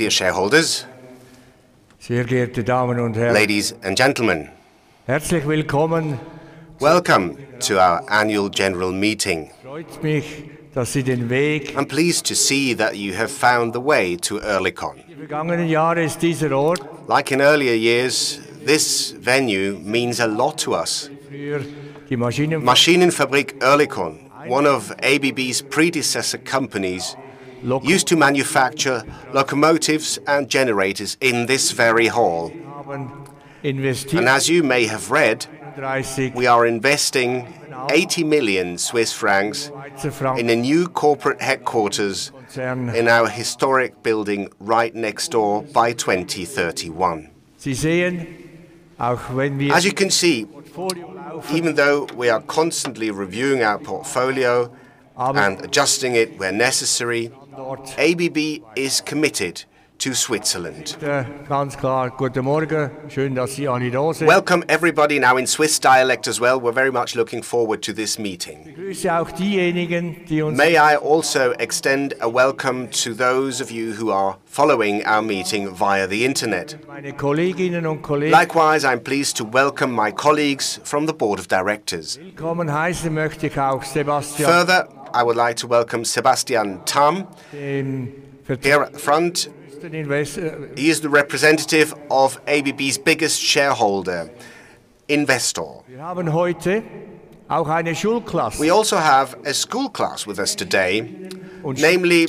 Dear shareholders. Ladies and gentlemen. Welcome to our Annual General Meeting. I'm pleased to see that you have found the way to Oerlikon. Like in earlier years, this venue means a lot to us. Maschinenfabrik Oerlikon, one of ABB's predecessor companies, used to manufacture locomotives and generators in this very hall. As you may have read, we are investing 80 million Swiss francs in a new corporate headquarters in our historic building right next door by 2031. As you can see, even though we are constantly reviewing our portfolio and adjusting it where necessary, ABB is committed to Switzerland. Welcome everybody, now in Swiss dialect as well. We're very much looking forward to this meeting. May I also extend a welcome to those of you who are following our meeting via the internet. Likewise, I'm pleased to welcome my colleagues from the Board of Directors. Further, I would like to welcome Sebastian Tamm, here at the front. He is the representative of ABB's biggest shareholder, Investor. We also have a school class with us today, namely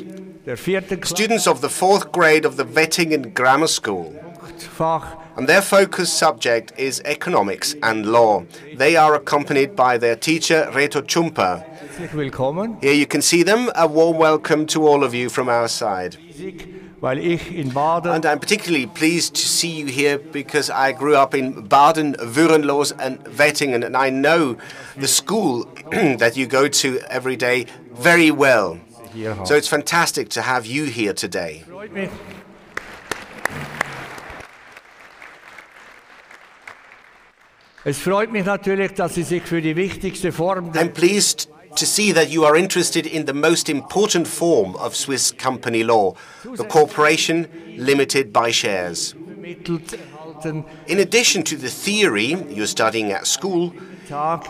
students of the fourth grade of the Wettingen grammar school, and their focus subject is economics and law. They are accompanied by their teacher, Reto Tschumper. Here you can see them. A warm welcome to all of you from our side. I'm particularly pleased to see you here because I grew up in Baden, Würenlos, and Wettingen, and I know the school that you go to every day very well. It's fantastic to have you here today. I'm pleased to see that you are interested in the most important form of Swiss company law, the corporation limited by shares. In addition to the theory you're studying at school,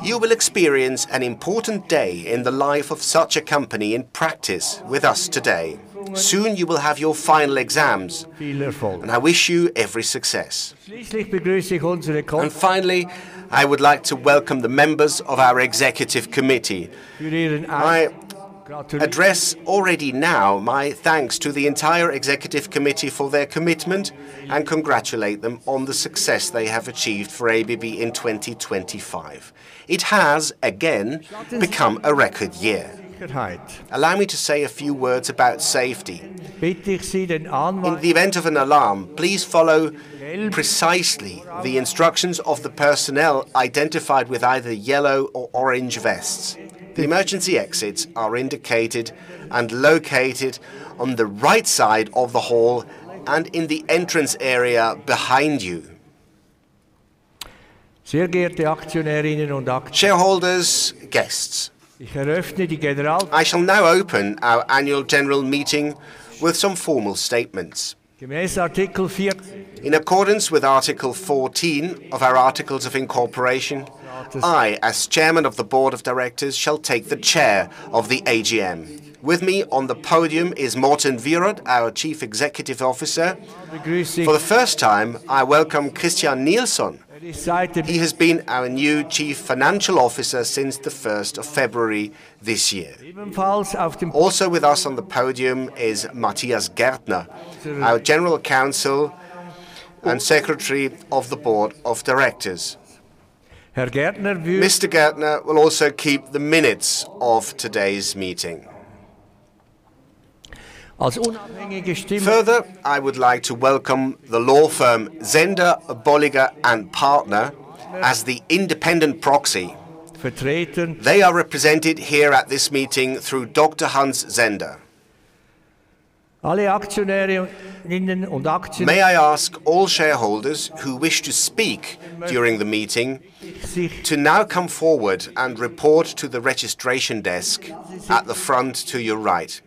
you will experience an important day in the life of such a company in practice with us today. Soon, you will have your final exams, and I wish you every success. Finally, I would like to welcome the members of our Executive Committee. I address already now my thanks to the entire Executive Committee for their commitment and congratulate them on the success they have achieved for ABB in 2025. It has, again, become a record year. Allow me to say a few words about safety. In the event of an alarm, please follow precisely the instructions of the personnel identified with either yellow or orange vests. The emergency exits are indicated and located on the right side of the hall and in the entrance area behind you. Shareholders, guests. I shall now open our Annual General Meeting with some formal statements. In accordance with Article 14 of our Articles of Incorporation, I, as Chairman of the Board of Directors, shall take the chair of the AGM. With me on the podium is Morten Wierød, our Chief Executive Officer. For the first time, I welcome Christian Nilsson. He has been our new Chief Financial Officer since the first of February this year. Also with us on the podium is Mathias Gaertner, our general counsel and secretary of the Board of Directors. Mr. Gaertner will also keep the minutes of today's meeting. Further, I would like to welcome the law firm Zünder, Bollinger & Partner as the independent proxy. They are represented here at this meeting through Dr. Hans Zünder. May I ask all shareholders who wish to speak during the meeting to now come forward and report to the registration desk at the front to your right.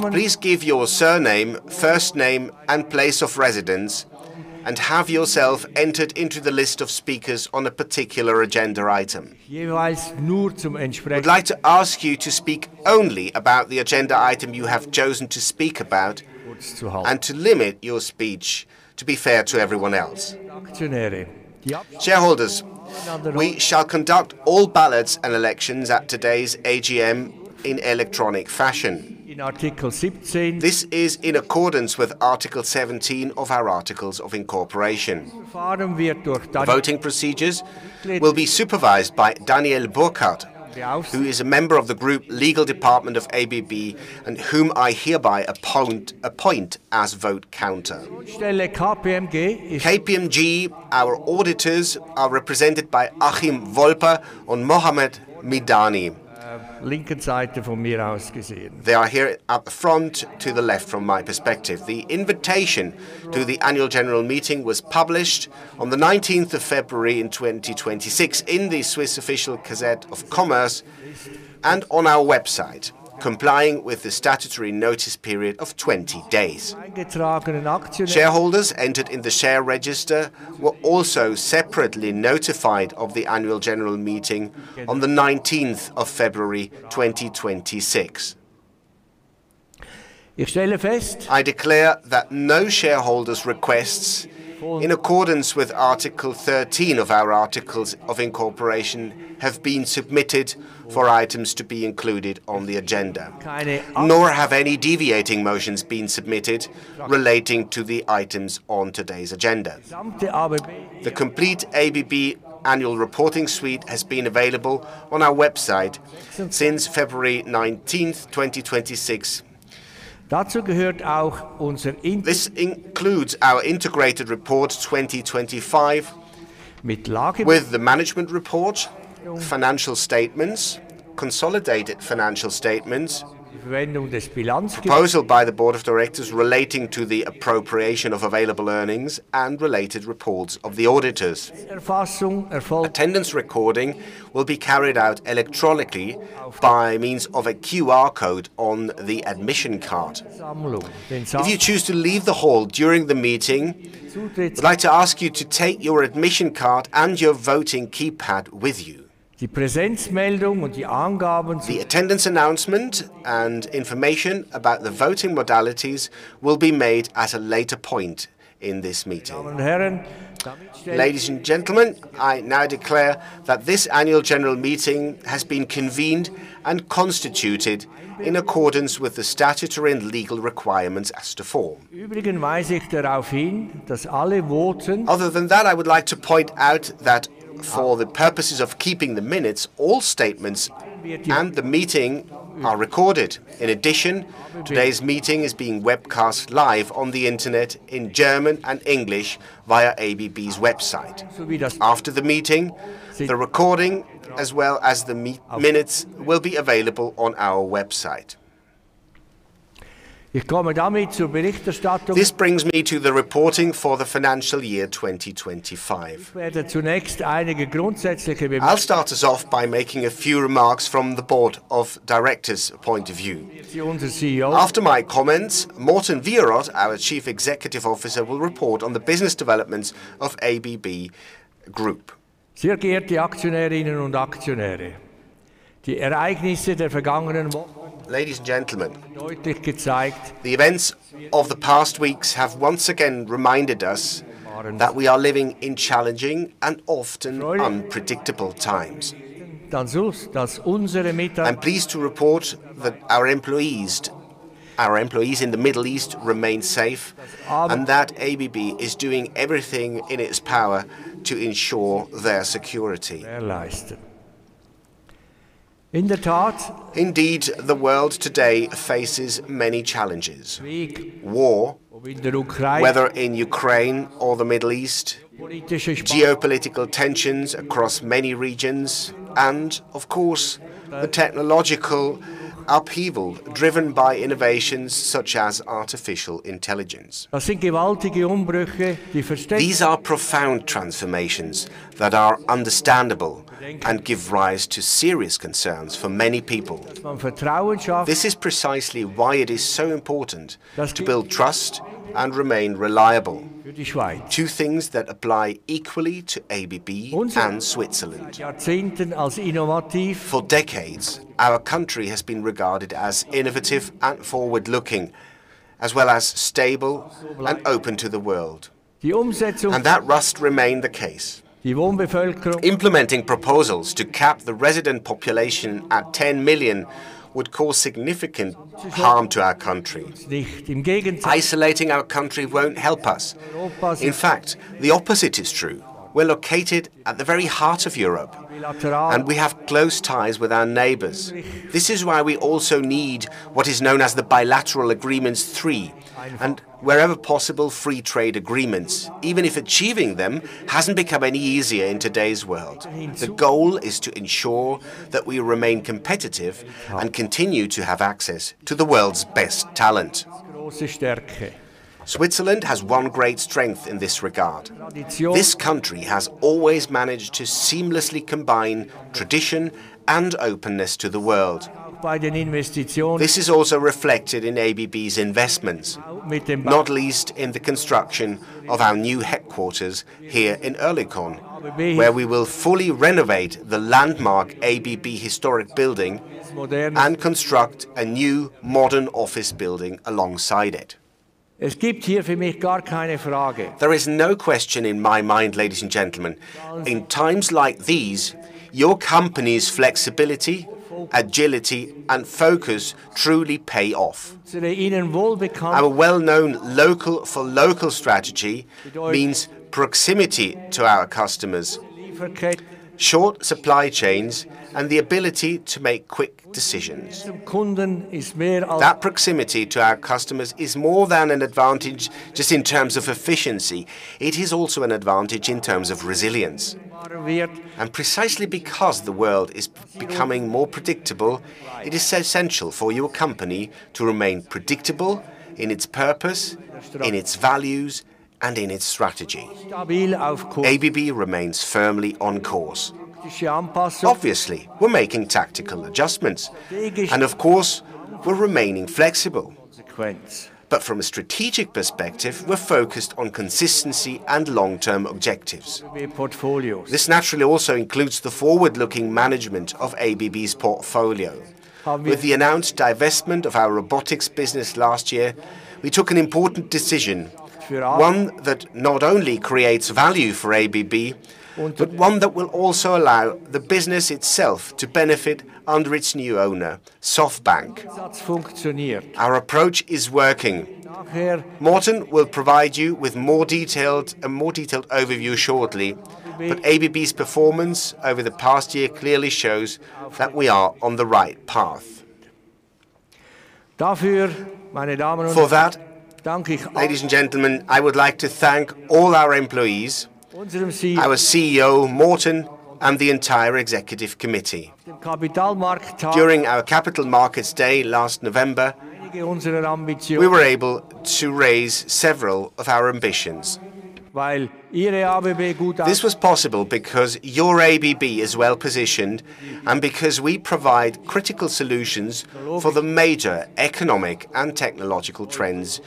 Please give your surname, first name, and place of residence, and have yourself entered into the list of speakers on a particular agenda item. Would like to ask you to speak only about the agenda item you have chosen to speak about and to limit your speech to be fair to everyone else. Shareholders, we shall conduct all ballots and elections at today's AGM in electronic fashion. This is in accordance with Article 17 of our Articles of Incorporation. The voting procedures will be supervised by Daniel Burkhardt, who is a member of the Group Legal Department of ABB and whom I hereby appoint as vote counter. KPMG, our auditors, are represented by Achim Wolper and Mohamad Midani. They are here at the front to the left from my perspective. The invitation to the Annual General Meeting was published on the 19th of February 2026 in the Swiss Official Gazette of Commerce and on our website, complying with the statutory notice period of 20 days. Shareholders entered in the share register were also separately notified of the Annual General Meeting on the 19th of February 2026. I declare that no shareholders' requests, in accordance with Article 13 of our articles of incorporation, have been submitted for items to be included on the agenda, nor have any deviating motions been submitted relating to the items on today's agenda. The complete ABB annual reporting suite has been available on our website since February 19, 2026. This includes our Integrated Report 2025 with the management report, financial statements, consolidated financial statements, proposal by the Board of Directors relating to the appropriation of available earnings and related reports of the auditors. Attendance recording will be carried out electronically by means of a QR code on the admission card. If you choose to leave the hall during the meeting, we'd like to ask you to take your admission card and your voting keypad with you. The attendance announcement and information about the voting modalities will be made at a later point in this meeting. Ladies and gentlemen, I now declare that this Annual General Meeting has been convened and constituted in accordance with the statutory and legal requirements as to form. Other than that, I would like to point out that for the purposes of keeping the minutes, all statements and the meeting are recorded. In addition, today's meeting is being webcast live on the Internet in German and English via ABB's website. After the meeting, the recording, as well as the minutes, will be available on our website. This brings me to the reporting for the financial year 2025. I'll start us off by making a few remarks from the Board of Directors' point of view. After my comments, Morten Wierød, our Chief Executive Officer, will report on the business developments of ABB Group. Ladies and gentlemen, the events of the past weeks have once again reminded us that we are living in challenging and often unpredictable times. I'm pleased to report that our employees in the Middle East remain safe, and that ABB is doing everything in its power to ensure their security. Indeed, the world today faces many challenges, war, whether in Ukraine or the Middle East, geopolitical tensions across many regions, and of course, the technological upheaval driven by innovations such as artificial intelligence. These are profound transformations that are understandable and give rise to serious concerns for many people. This is precisely why it is so important to build trust and remain reliable, two things that apply equally to ABB and Switzerland. For decades, our country has been regarded as innovative and forward-looking, as well as stable and open to the world, and that must remain the case. Implementing proposals to cap the resident population at 10 million would cause significant harm to our country. Isolating our country won't help us. In fact, the opposite is true. We're located at the very heart of Europe, and we have close ties with our neighbors. This is why we also need what is known as the Bilaterals III, and wherever possible, free trade agreements, even if achieving them hasn't become any easier in today's world. The goal is to ensure that we remain competitive and continue to have access to the world's best talent. Switzerland has one great strength in this regard. This country has always managed to seamlessly combine tradition and openness to the world. This is also reflected in ABB's investments, not least in the construction of our new headquarters here in Oerlikon, where we will fully renovate the landmark ABB historic building and construct a new modern office building alongside it. There is no question in my mind, ladies and gentlemen. In times like these, your company's flexibility, agility, and focus truly pay off. Our well-known local-for-local strategy means proximity to our customers, short supply chains, and the ability to make quick decisions. That proximity to our customers is more than an advantage just in terms of efficiency. It is also an advantage in terms of resilience. Precisely because the world is becoming more predictable, it is essential for your company to remain predictable in its purpose, in its values and in its strategy. ABB remains firmly on course. Obviously, we're making tactical adjustments. Of course, we're remaining flexible. From a strategic perspective, we're focused on consistency and long-term objectives. This naturally also includes the forward-looking management of ABB's portfolio. With the announced divestment of our robotics business last year, we took an important decision, one that not only creates value for ABB, but one that will also allow the business itself to benefit under its new owner, SoftBank. Our approach is working. Morten will provide you with a more detailed overview shortly. ABB's performance over the past year clearly shows that we are on the right path. For that, ladies and gentlemen, I would like to thank all our employees, our CEO, Morten, and the entire Executive Committee. During our Capital Markets Day last November, we were able to raise several of our ambitions. This was possible because your ABB is well-positioned and because we provide critical solutions for the major economic and technological trends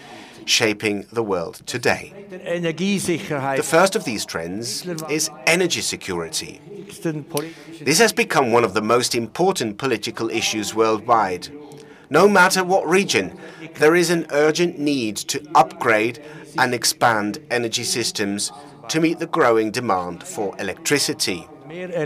shaping the world today. The first of these trends is energy security. This has become one of the most important political issues worldwide. No matter what region, there is an urgent need to upgrade and expand energy systems to meet the growing demand for electricity. At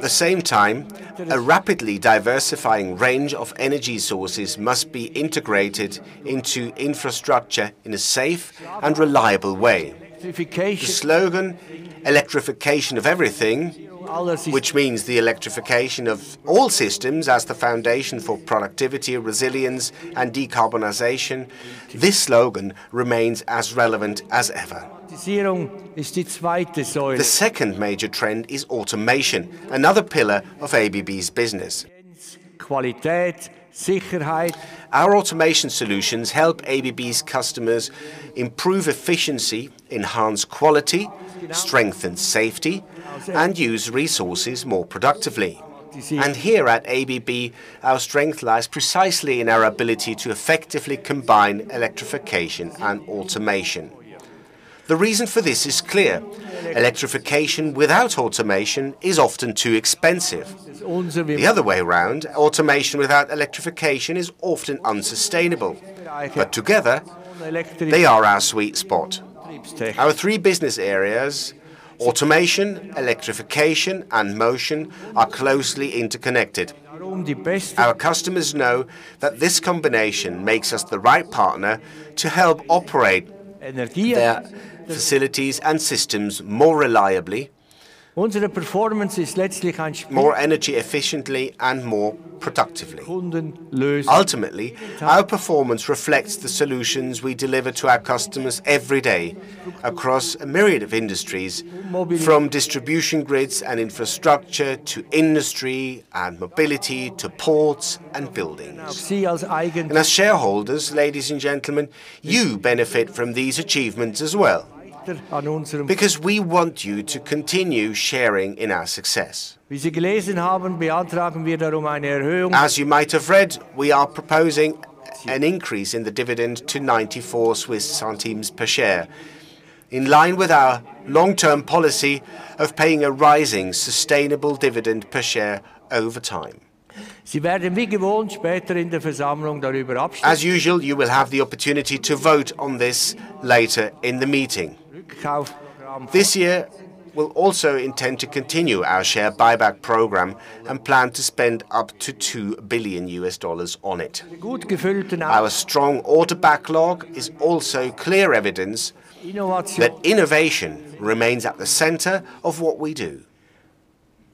the same time, a rapidly diversifying range of energy sources must be integrated into infrastructure in a safe and reliable way. The slogan, "Electrification of everything," which means the electrification of all systems as the foundation for productivity, resilience, and decarbonization, this slogan remains as relevant as ever. The second major trend is automation, another pillar of ABB's business. Our automation solutions help ABB's customers improve efficiency, enhance quality, strengthen safety, and use resources more productively. Here at ABB, our strength lies precisely in our ability to effectively combine electrification and automation. The reason for this is clear. Electrification without automation is often too expensive. The other way around, automation without electrification is often unsustainable. Together, they are our sweet spot. Our three business areas, Automation, Electrification, and Motion, are closely interconnected. Our customers know that this combination makes us the right partner to help operate their facilities and systems more reliably, more energy efficiently, and more productively. Ultimately, our performance reflects the solutions we deliver to our customers every day across a myriad of industries, from distribution grids and infrastructure, to industry and mobility, to ports and buildings. As shareholders, ladies and gentlemen, you benefit from these achievements as well, because we want you to continue sharing in our success. As you might have read, we are proposing an increase in the dividend to 0.94 per share, in line with our long-term policy of paying a rising, sustainable dividend per share over time. As usual, you will have the opportunity to vote on this later in the meeting. This year, we'll also intend to continue our share buyback program and plan to spend up to $2 billion on it. Our strong order backlog is also clear evidence that innovation remains at the center of what we do,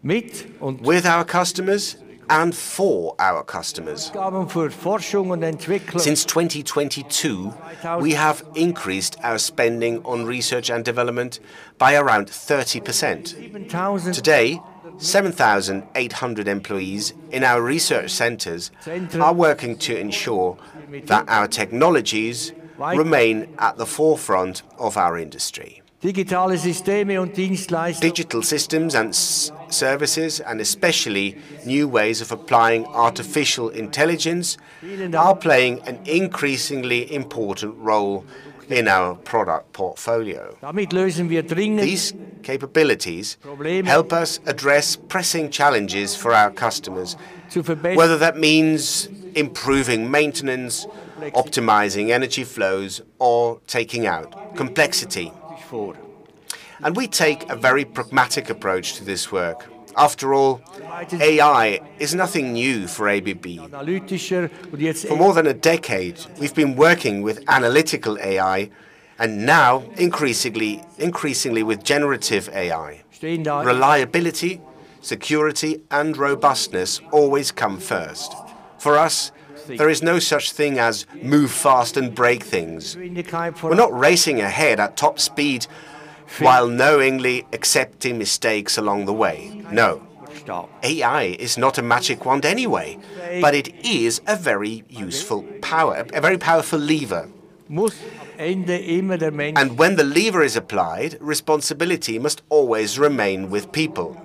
with our customers and for our customers. Since 2022, we have increased our spending on research and development by around 30%. Today, 7,800 employees in our research centers are working to ensure that our technologies remain at the forefront of our industry. Digital systems and services, and especially new ways of applying artificial intelligence, are playing an increasingly important role in our product portfolio. These capabilities help us address pressing challenges for our customers, whether that means improving maintenance, optimizing energy flows, or taking out complexity. We take a very pragmatic approach to this work. After all, AI is nothing new for ABB. For more than a decade, we've been working with analytical AI and now increasingly with generative AI. Reliability, security, and robustness always come first. For us, there is no such thing as move fast and break things. We're not racing ahead at top speed while knowingly accepting mistakes along the way. No. AI is not a magic wand anyway, but it is a very useful power, a very powerful lever. When the lever is applied, responsibility must always remain with people.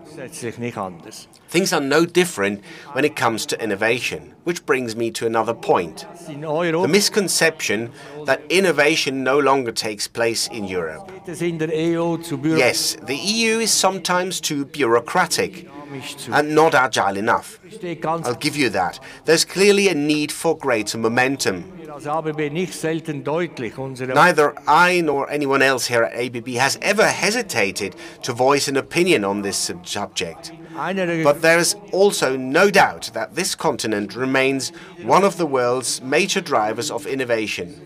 Things are no different when it comes to innovation. Which brings me to another point, the misconception that innovation no longer takes place in Europe. Yes, the EU is sometimes too bureaucratic and not agile enough. I'll give you that. There's clearly a need for greater momentum. Neither I nor anyone else here at ABB has ever hesitated to voice an opinion on this subject. There is also no doubt that this continent remains one of the world's major drivers of innovation,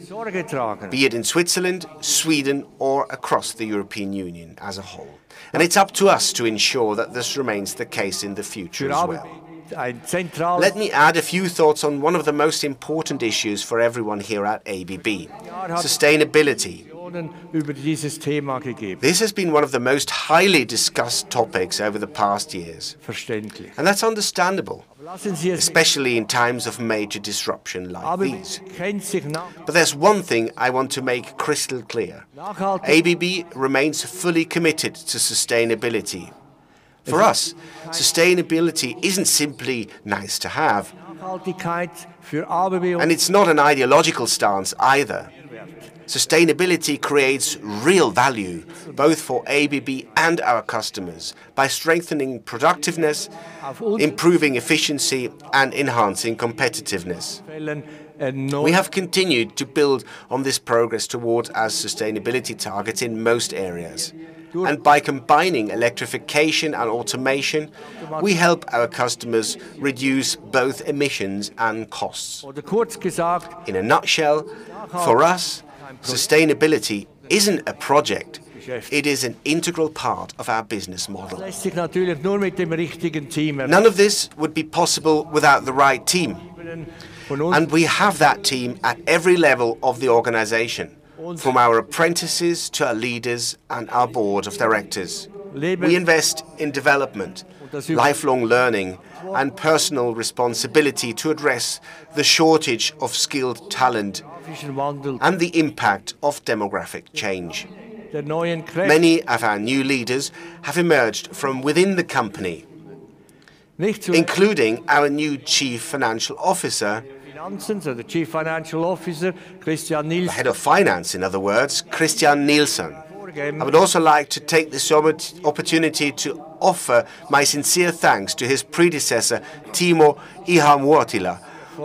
be it in Switzerland, Sweden, or across the European Union as a whole, and it's up to us to ensure that this remains the case in the future as well. Let me add a few thoughts on one of the most important issues for everyone here at ABB, sustainability. This has been one of the most highly discussed topics over the past years, and that's understandable, especially in times of major disruption like these. There's one thing I want to make crystal clear. ABB remains fully committed to sustainability. For us, sustainability isn't simply nice to have, and it's not an ideological stance either. Sustainability creates real value, both for ABB and our customers, by strengthening productiveness, improving efficiency, and enhancing competitiveness. We have continued to build on this progress towards our sustainability targets in most areas. By combining electrification and automation, we help our customers reduce both emissions and costs. In a nutshell, for us, sustainability isn't a project, it is an integral part of our business model. None of this would be possible without the right team, and we have that team at every level of the organization, from our apprentices to our leaders and our Board of Directors. We invest in development, lifelong learning, and personal responsibility to address the shortage of skilled talent and the impact of demographic change. Many of our new leaders have emerged from within the company, including our new Chief Financial Officer. The Chief Financial Officer, Christian Nilsson. Head of Finance, in other words, Christian Nilsson. I would also like to take this opportunity to offer my sincere thanks to his predecessor, Timo Ihamuotila,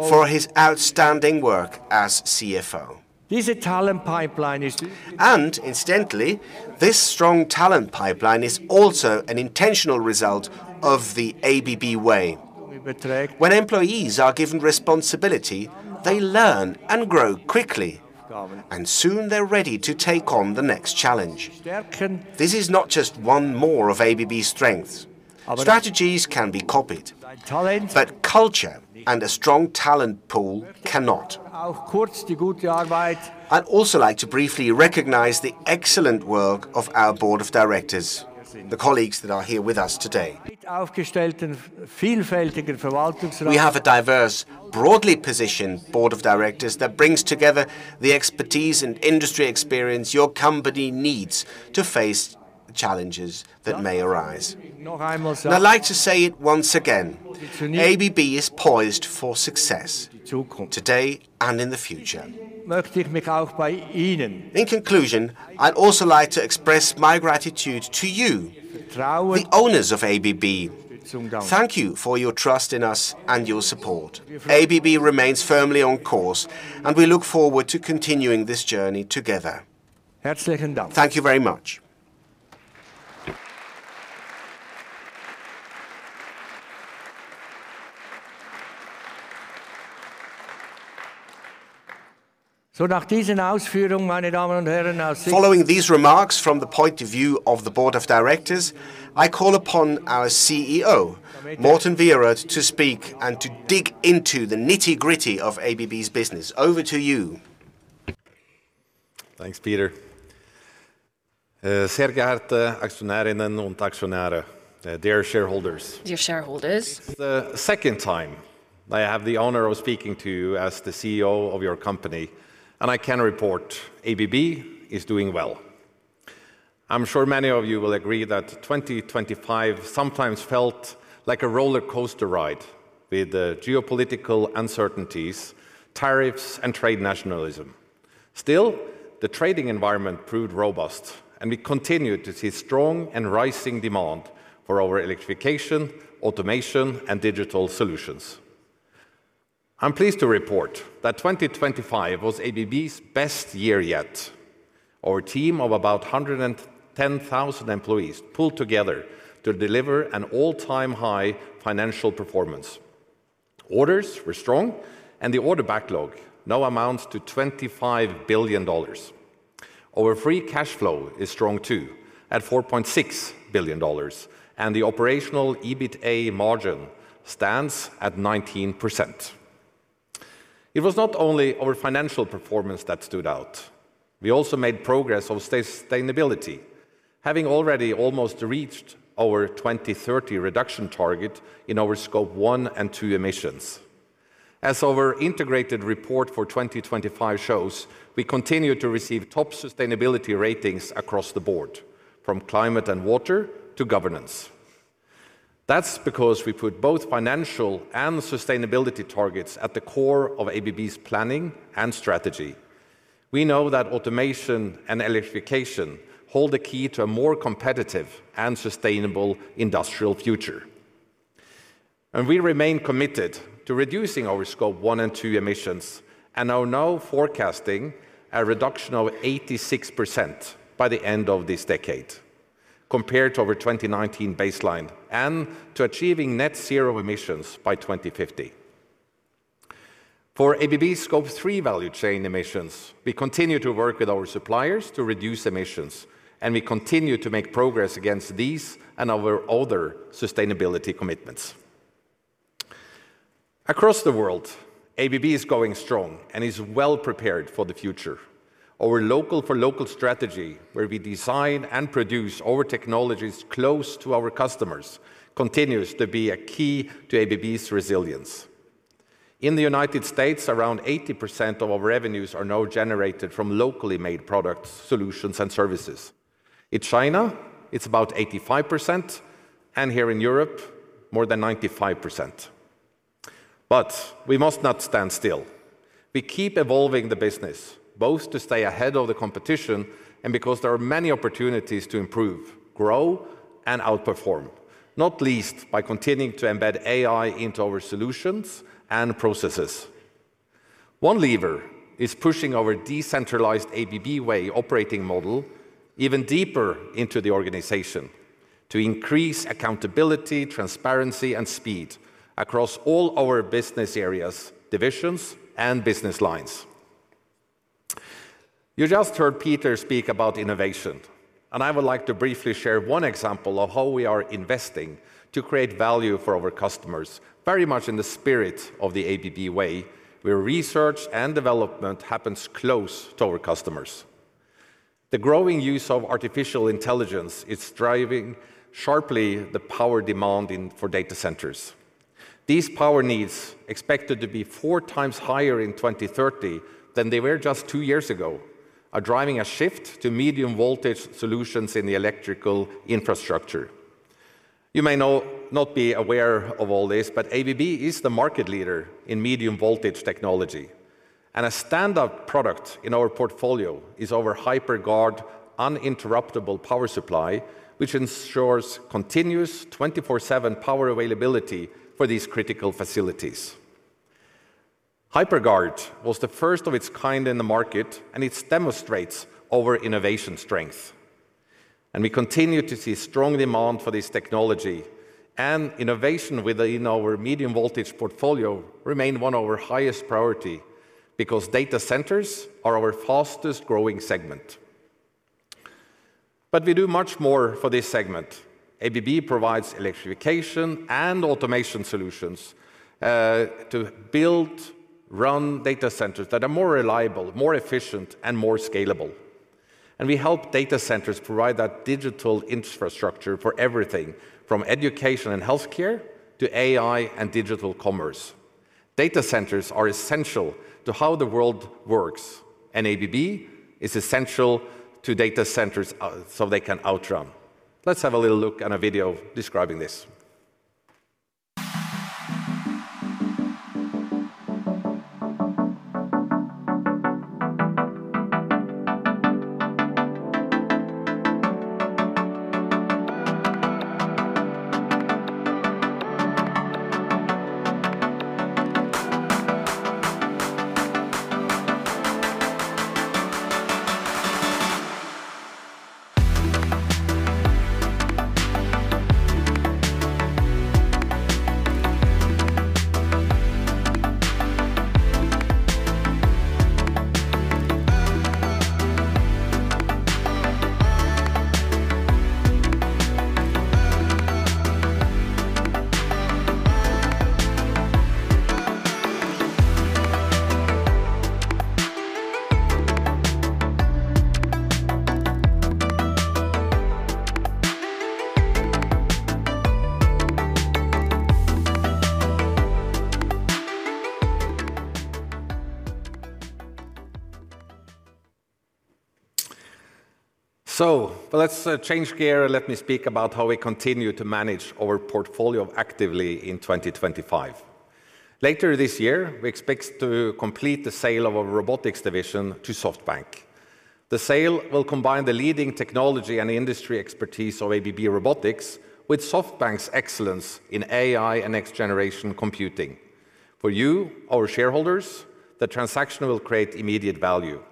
for his outstanding work as CFO. This talent pipeline is– Incidentally, this strong talent pipeline is also an intentional result of the ABB Way. When employees are given responsibility, they learn and grow quickly, and soon they're ready to take on the next challenge. This is not just one more of ABB's strengths. Strategies can be copied, but culture and a strong talent pool cannot. I'd also like to briefly recognize the excellent work of our Board of Directors, the colleagues that are here with us today. We have a diverse, broadly positioned Board of Directors that brings together the expertise and industry experience your company needs to face challenges that may arise. I'd like to say it once again, ABB is poised for success, today and in the future. In conclusion, I'd also like to express my gratitude to you, the owners of ABB. Thank you for your trust in us and your support. ABB remains firmly on course, and we look forward to continuing this journey together. Thank you very much. Following these remarks from the point of view of the Board of Directors, I call upon our CEO, Morten Wierød, to speak and to dig into the nitty-gritty of ABB's business. Over to you. Thanks, Peter. Sehr geehrte Aktionärinnen und Aktionäre. Dear shareholders. Dear Shareholders. This is the second time I have the honor of speaking to you as the CEO of your company, and I can report ABB is doing well. I'm sure many of you will agree that 2025 sometimes felt like a roller coaster ride with the geopolitical uncertainties, tariffs, and trade nationalism. Still, the trading environment proved robust, and we continued to see strong and rising demand for our electrification, automation, and digital solutions. I'm pleased to report that 2025 was ABB's best year yet. Our team of about 110,000 employees pulled together to deliver an all-time high financial performance. Orders were strong, and the order backlog now amounts to $25 billion. Our free cash flow is strong too, at $4.6 billion, and the operational EBITA margin stands at 19%. It was not only our financial performance that stood out. We also made progress on sustainability, having already almost reached our 2030 reduction target in our Scope 1 and 2 emissions. As our Integrated Report for 2025 shows, we continue to receive top sustainability ratings across the board, from climate and water to governance. That's because we put both financial and sustainability targets at the core of ABB's planning and strategy. We know that automation and electrification hold the key to a more competitive and sustainable industrial future. We remain committed to reducing our Scope 1 and 2 emissions and are now forecasting a reduction of 86% by the end of this decade compared to our 2019 baseline and to achieving net zero emissions by 2050. For ABB Scope 3 value chain emissions, we continue to work with our suppliers to reduce emissions, and we continue to make progress against these and our other sustainability commitments. Across the world, ABB is going strong and is well-prepared for the future. Our local-for-local strategy, where we design and produce our technologies close to our customers, continues to be a key to ABB's resilience. In the United States, around 80% of our revenues are now generated from locally made products, solutions, and services. In China, it's about 85%, and here in Europe, more than 95%. We must not stand still. We keep evolving the business, both to stay ahead of the competition and because there are many opportunities to improve, grow, and outperform, not least by continuing to embed AI into our solutions and processes. One lever is pushing our decentralized ABB Way operating model even deeper into the organization to increase accountability, transparency, and speed across all our business areas, divisions, and business lines. You just heard Peter speak about innovation, and I would like to briefly share one example of how we are investing to create value for our customers, very much in the spirit of the ABB Way, where research and development happens close to our customers. The growing use of artificial intelligence is driving sharply the power demand for data centers. These power needs, expected to be 4x higher in 2030 than they were just two years ago, are driving a shift to medium-voltage solutions in the electrical infrastructure. You may not be aware of all this, but ABB is the market leader in medium-voltage technology, and a standout product in our portfolio is our HiPerGuard uninterruptible power supply, which ensures continuous 24/7 power availability for these critical facilities. HiPerGuard was the first of its kind in the market, and it demonstrates our innovation strength. We continue to see strong demand for this technology, and innovation within our medium-voltage portfolio remain one of our highest priority because data centers are our fastest-growing segment. We do much more for this segment. ABB provides electrification and automation solutions to build, run data centers that are more reliable, more efficient, and more scalable. We help data centers provide that digital infrastructure for everything from education and healthcare to AI and digital commerce. Data centers are essential to how the world works, and ABB is essential to data centers, so they can outrun. Let's have a little look at a video describing this. Let's change gear and let me speak about how we continue to manage our portfolio actively in 2025. Later this year, we expect to complete the sale of our robotics division to SoftBank. The sale will combine the leading technology and industry expertise of ABB Robotics with SoftBank's excellence in AI and next-generation computing. For you, our shareholders, the transaction will create immediate value.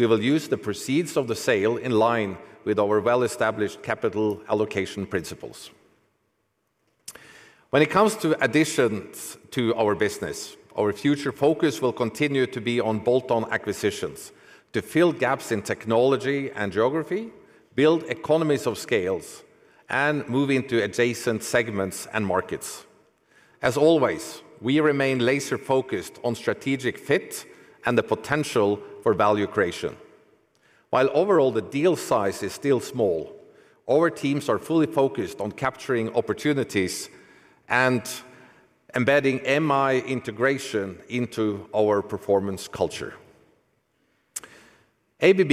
We will use the proceeds of the sale in line with our well-established capital allocation principles. When it comes to additions to our business, our future focus will continue to be on bolt-on acquisitions to fill gaps in technology and geography, build economies of scale and move into adjacent segments and markets. As always, we remain laser-focused on strategic fit and the potential for value creation. While overall the deal size is still small, our teams are fully focused on capturing opportunities and embedding MI integration into our performance culture. ABB,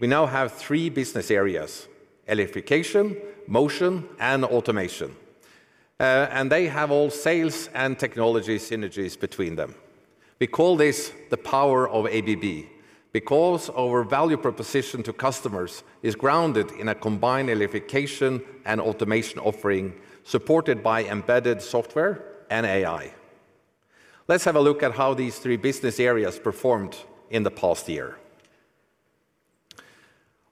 we now have three business areas: Electrification, Motion, and Automation. They have all sales and technology synergies between them. We call this the Power of ABB because our value proposition to customers is grounded in a combined electrification and automation offering, supported by embedded software and AI. Let's have a look at how these three business areas performed in the past year.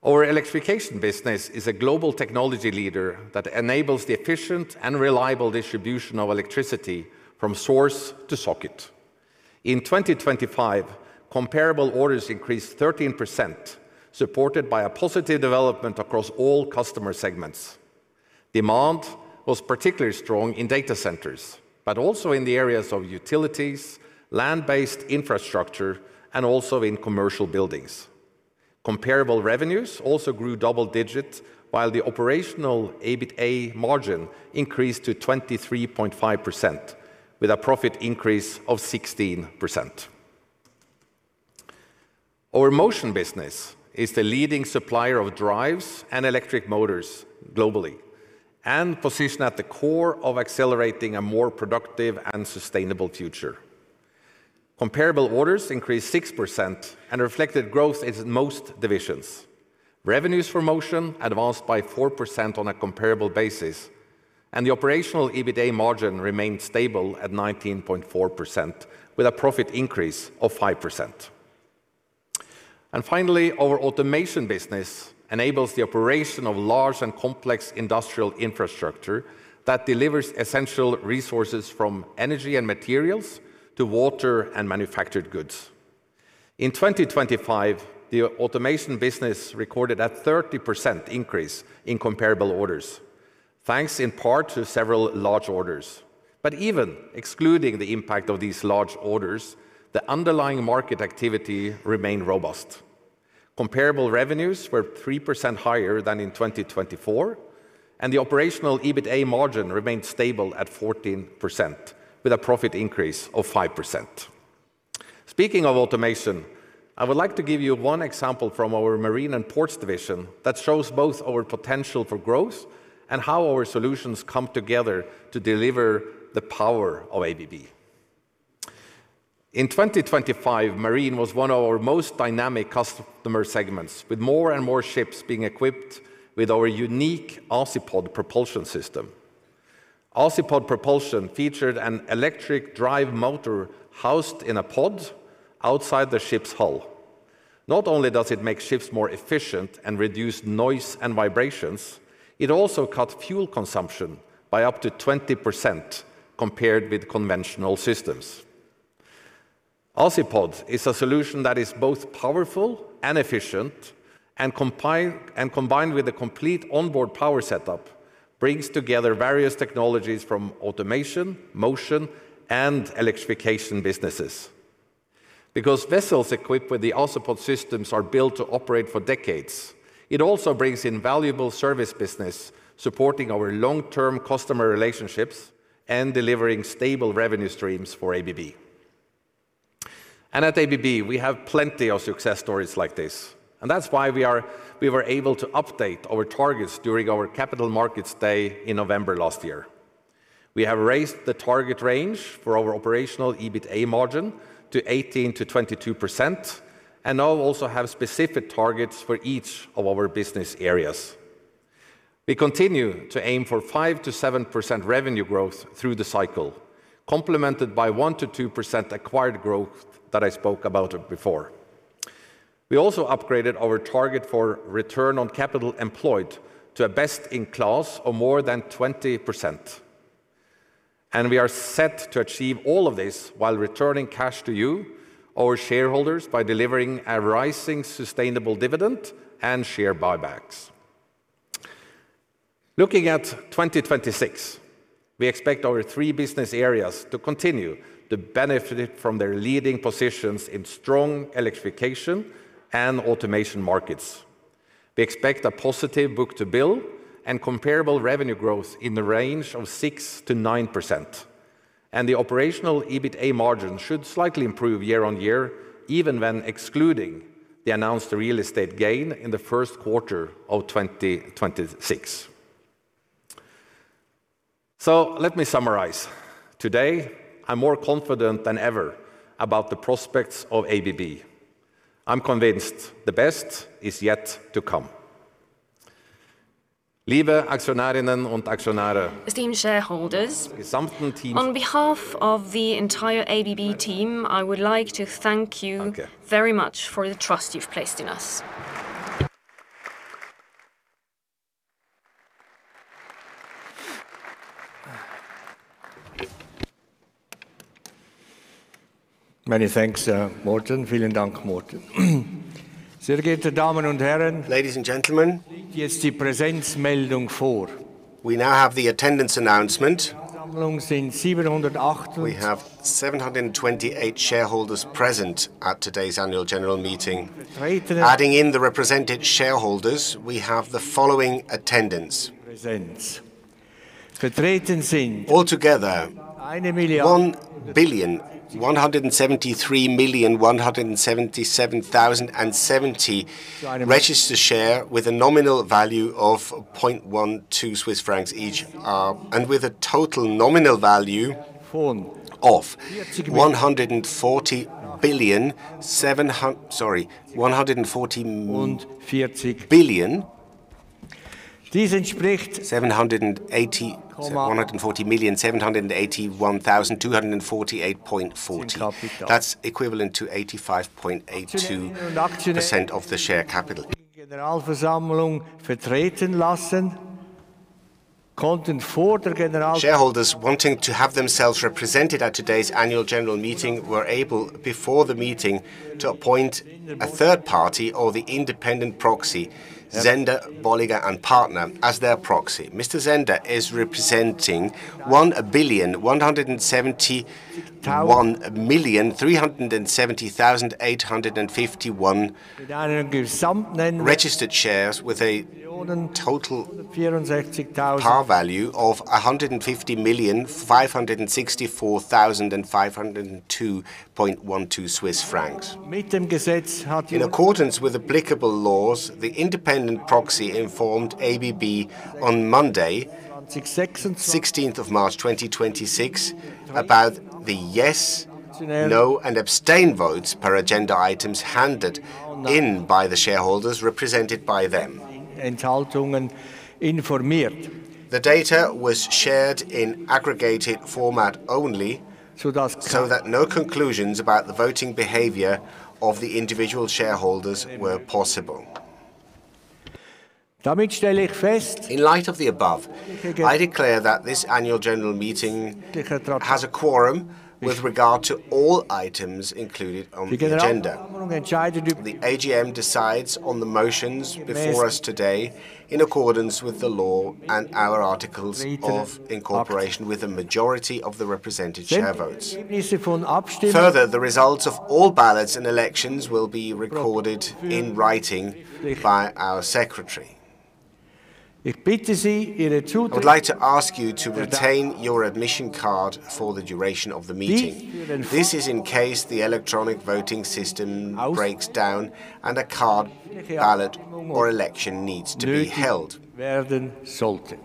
Our Electrification business is a global technology leader that enables the efficient and reliable distribution of electricity from source to socket. In 2025, comparable orders increased 13%, supported by a positive development across all customer segments. Demand was particularly strong in data centers, but also in the areas of utilities, land-based infrastructure, and also in commercial buildings. Comparable revenues also grew double digits, while the operational EBITA margin increased to 23.5% with a profit increase of 16%. Our Motion business is the leading supplier of drives and electric motors globally and positioned at the core of accelerating a more productive and sustainable future. Comparable orders increased 6% and reflected growth in most divisions. Revenues for Motion advanced by 4% on a comparable basis, and the operational EBITA margin remained stable at 19.4% with a profit increase of 5%. Finally, our Automation business enables the operation of large and complex industrial infrastructure that delivers essential resources from energy and materials to water and manufactured goods. In 2025, the Automation business recorded a 30% increase in comparable orders, thanks in part to several large orders. Even excluding the impact of these large orders, the underlying market activity remained robust. Comparable revenues were 3% higher than in 2024, and the operational EBITA margin remained stable at 14% with a profit increase of 5%. Speaking of automation, I would like to give you one example from our Marine & Ports division that shows both our potential for growth and how our solutions come together to deliver the Power of ABB. In 2025, Marine was one of our most dynamic customer segments, with more and more ships being equipped with our unique Azipod propulsion system. Azipod propulsion featured an electric drive motor housed in a pod outside the ship's hull. Not only does it make ships more efficient and reduce noise and vibrations, it also cuts fuel consumption by up to 20% compared with conventional systems. Azipod is a solution that is both powerful and efficient, and combined with a complete onboard power setup, brings together various technologies from Automation, Motion, and Electrification businesses. Because vessels equipped with the Azipod systems are built to operate for decades, it also brings in valuable service business, supporting our long-term customer relationships and delivering stable revenue streams for ABB. At ABB, we have plenty of success stories like this, and that's why we were able to update our targets during our Capital Markets Day in November last year. We have raised the target range for our operational EBITA margin to 18%-22% and now also have specific targets for each of our business areas. We continue to aim for 5%-7% revenue growth through the cycle, complemented by 1%-2% acquired growth that I spoke about it before. We also upgraded our target for return on capital employed to a best-in-class of more than 20%. We are set to achieve all of this while returning cash to you, our shareholders, by delivering a rising sustainable dividend and share buybacks. Looking at 2026, we expect our three business areas to continue to benefit from their leading positions in strong electrification and automation markets. We expect a positive book-to-bill and comparable revenue growth in the range of 6%-9%, and the operational EBITA margin should slightly improve year-over-year, even when excluding the announced real estate gain in the first quarter of 2026. Let me summarize. Today, I'm more confident than ever about the prospects of ABB. I'm convinced the best is yet to come. Esteemed shareholders. On behalf of the entire ABB team, I would like to thank you very much for the trust you've placed in us. Many thanks, Morten. Vielen Dank, Morten. Sehr geehrte Damen und Herren. Ladies and gentlemen. Jetzt die Präsenzmeldung vor. We now have the attendance announcement. Versammlung sind 728. We have 728 shareholders present at today's Annual General Meeting. Adding in the represented shareholders, we have the following attendance. Vertreten sind– Altogether, 1,173,177,070 registered shares with a nominal value of 0.12 Swiss francs each, and with a total nominal value of 140 million... Sorry– Dies entspricht– 140,781,248.40. That's equivalent to 85.82% of the share capital. Generalversammlung vertreten lassen konnten vor der General Shareholders wanting to have themselves represented at today's Annual General Meeting were able, before the meeting, to appoint a third party or the independent proxy, Zünder, Bollinger & Partner, as their proxy. Mr. Zünder is representing 1,171,370,851 registered shares with a total par value of 150,564,502.12 Swiss francs. Mit dem Gesetz hat- In accordance with applicable laws, the independent proxy informed ABB on Monday. Sechs sechs- 16th of March, 2026 about the yes, no, and abstain votes per agenda items handed in by the shareholders represented by them. Enthaltungen informiert. The data was shared in aggregated format only. So dass- So that no conclusions about the voting behavior of the individual shareholders were possible. Damit stelle ich fest. In light of the above, I declare that this Annual General Meeting has a quorum with regard to all items included on the agenda. The AGM decides on the motions before us today in accordance with the law and our articles of incorporation with a majority of the represented share votes. Further, the results of all ballots and elections will be recorded in writing by our secretary. Ich bitte Sie, Ihre– I would like to ask you to retain your admission card for the duration of the meeting. This is in case the electronic voting system breaks down and a card, ballot, or election needs to be held. Werden sollte.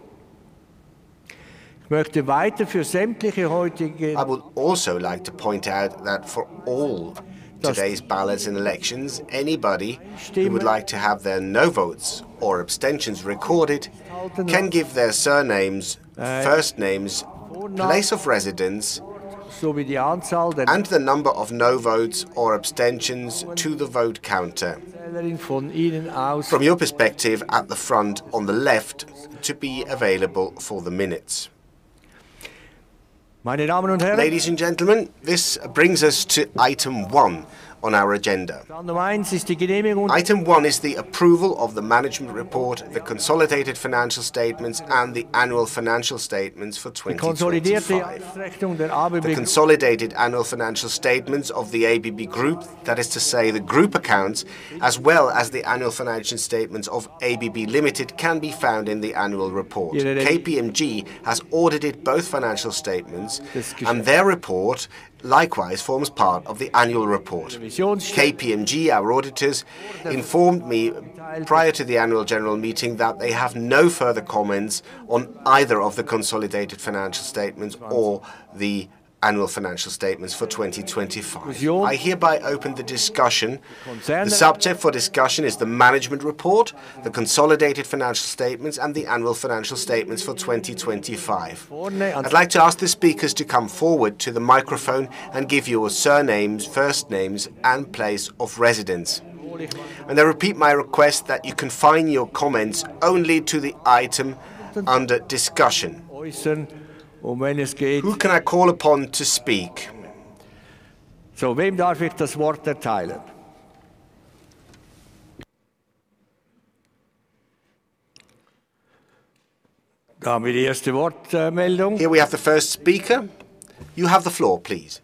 Ich möchte weiter für sämtliche heutige I would also like to point out that for all today's ballots and elections, anybody who would like to have their no votes or abstentions recorded can give their surnames, first names, place of residence. So wie die Anzahl der– And the number of no votes or abstentions to the vote counter. Von Ihnen aus– From your perspective, at the front on the left, to be available for the minutes. Meine Damen und Herren. Ladies and gentlemen, this brings us to item one on our agenda. Nummer 1 ist die Genehmigung. Item one is the approval of the management report, the consolidated financial statements, and the annual financial statements for 2025. Der ABB– The consolidated annual financial statements of the ABB Group, that is to say, the group accounts, as well as the annual financial statements of ABB Ltd, can be found in the annual report. KPMG has audited both financial statements, and their report likewise forms part of the annual report. KPMG, our auditors, informed me prior to the Annual General Meeting that they have no further comments on either of the consolidated financial statements or the annual financial statements for 2025. I hereby open the discussion. The subject for discussion is the management report, the consolidated financial statements, and the annual financial statements for 2025. I'd like to ask the speakers to come forward to the microphone and give your surnames, first names, and place of residence. I repeat my request that you confine your comments only to the item under discussion. Oder wenn es geht– Who can I call upon to speak? Wem darf ich das Wort erteilen? Da haben wir die erste Wortmeldung. Here we have the first speaker. You have the floor, please.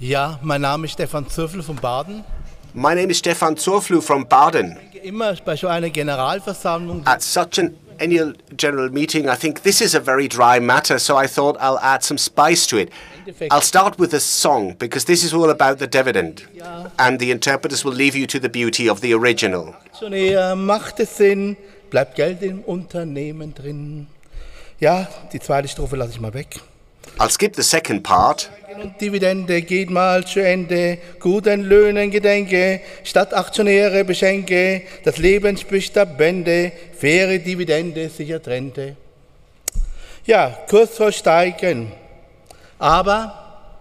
Ja, mein Name ist Stephan Zurfluh von Baden. My name is Stephan Zurfluh from Baden. Immer bei so einer Generalversammlung. At such an Annual General Meeting, I think this is a very dry matter, so I thought I'll add some spice to it. I'll start with a song because this is all about the dividend, and the interpreters will leave you to the beauty of the original. Aktionäre macht es Sinn, bleibt Geld im Unternehmen drin. Ja, die zweite Strophe lasse ich mal weg. I'll skip the second part. Dividende geht mal zu Ende. Guten Löhnen gedenke. Statt Aktionäre beschenke. Das Leben spricht ab Wende. Faire Dividende sicher Trend. Ja, Kurs soll steigen.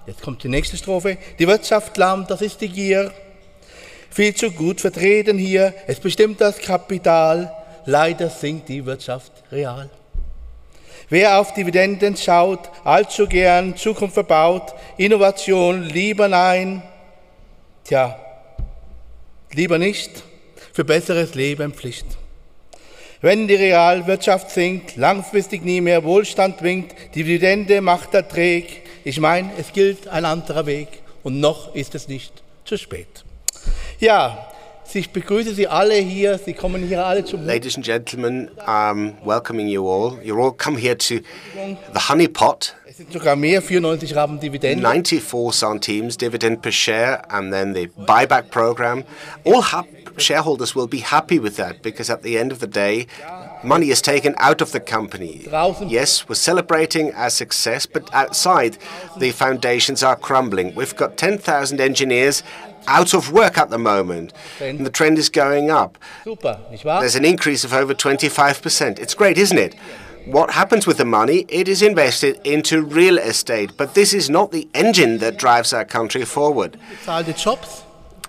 Jetzt kommt die nächste Strophe. Die Wirtschaft lahmt, das ist die Gier. Viel zu gut vertreten hier. Es bestimmt das Kapital. Leider sinkt die Wirtschaft real. Wer auf Dividenden schaut, allzu gern Zukunft verbaut. Innovation? Lieber nein. Tja, lieber nicht. Für besseres Leben Pflicht. Wenn die Realwirtschaft sinkt, langfristig nie mehr Wohlstand winkt. Dividende macht erträglich. Ich meine, es gilt ein anderer Weg und noch ist es nicht zu spät. Ja, ich begrüße Sie alle hier. Sie kommen hier alle zu– Ladies and Gentlemen, welcoming you all. You all come here to the honeypot. Es sind sogar mehr. 0.94 Dividende. 94 centimes dividend per share and then the buyback program. All shareholders will be happy with that because at the end of the day, money is taken out of the company. Yes, we're celebrating our success, outside the foundations are crumbling. We've got 10,000 engineers out of work at the moment, and the trend is going up. There's an increase of over 25%. It's great, isn't it? What happens with the money? It is invested into real estate. This is not the engine that drives our country forward.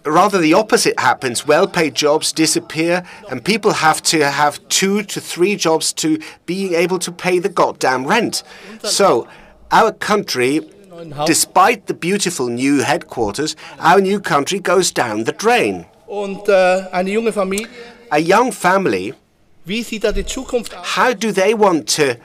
Rather the opposite happens. Well-paid jobs disappear and people have to have two to three jobs to be able to pay the goddamn rent. Our country, despite the beautiful new headquarters, our new country goes down the drain. Eine junge Familie. A young family– Wie sieht er die Zukunft an? How do they want to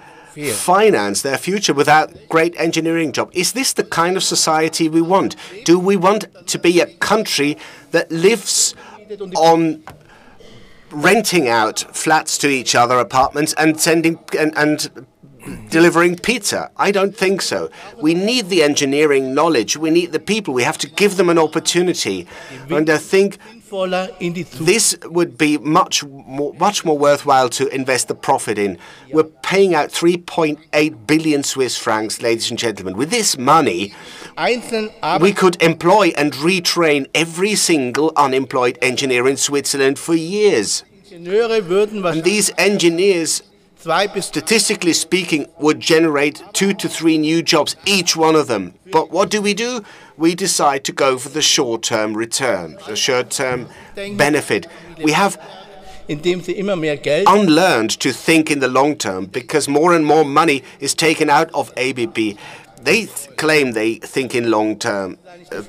finance their future without great engineering job? Is this the kind of society we want? Do we want to be a country that lives on renting out flats to each other, apartments, and sending and delivering pizza? I don't think so. We need the engineering knowledge. We need the people. We have to give them an opportunity. I think this would be much more worthwhile to invest the profit in. We're paying out 3.8 billion Swiss francs, ladies and gentlemen. With this money– Einzelne Arbe– We could employ and retrain every single unemployed engineer in Switzerland for years. These engineers, statistically speaking, would generate two-three new jobs, each one of them. What do we do? We decide to go for the short-term return, the short-term benefit. We have unlearned to think in the long term because more and more money is taken out of ABB. They claim they think in long-term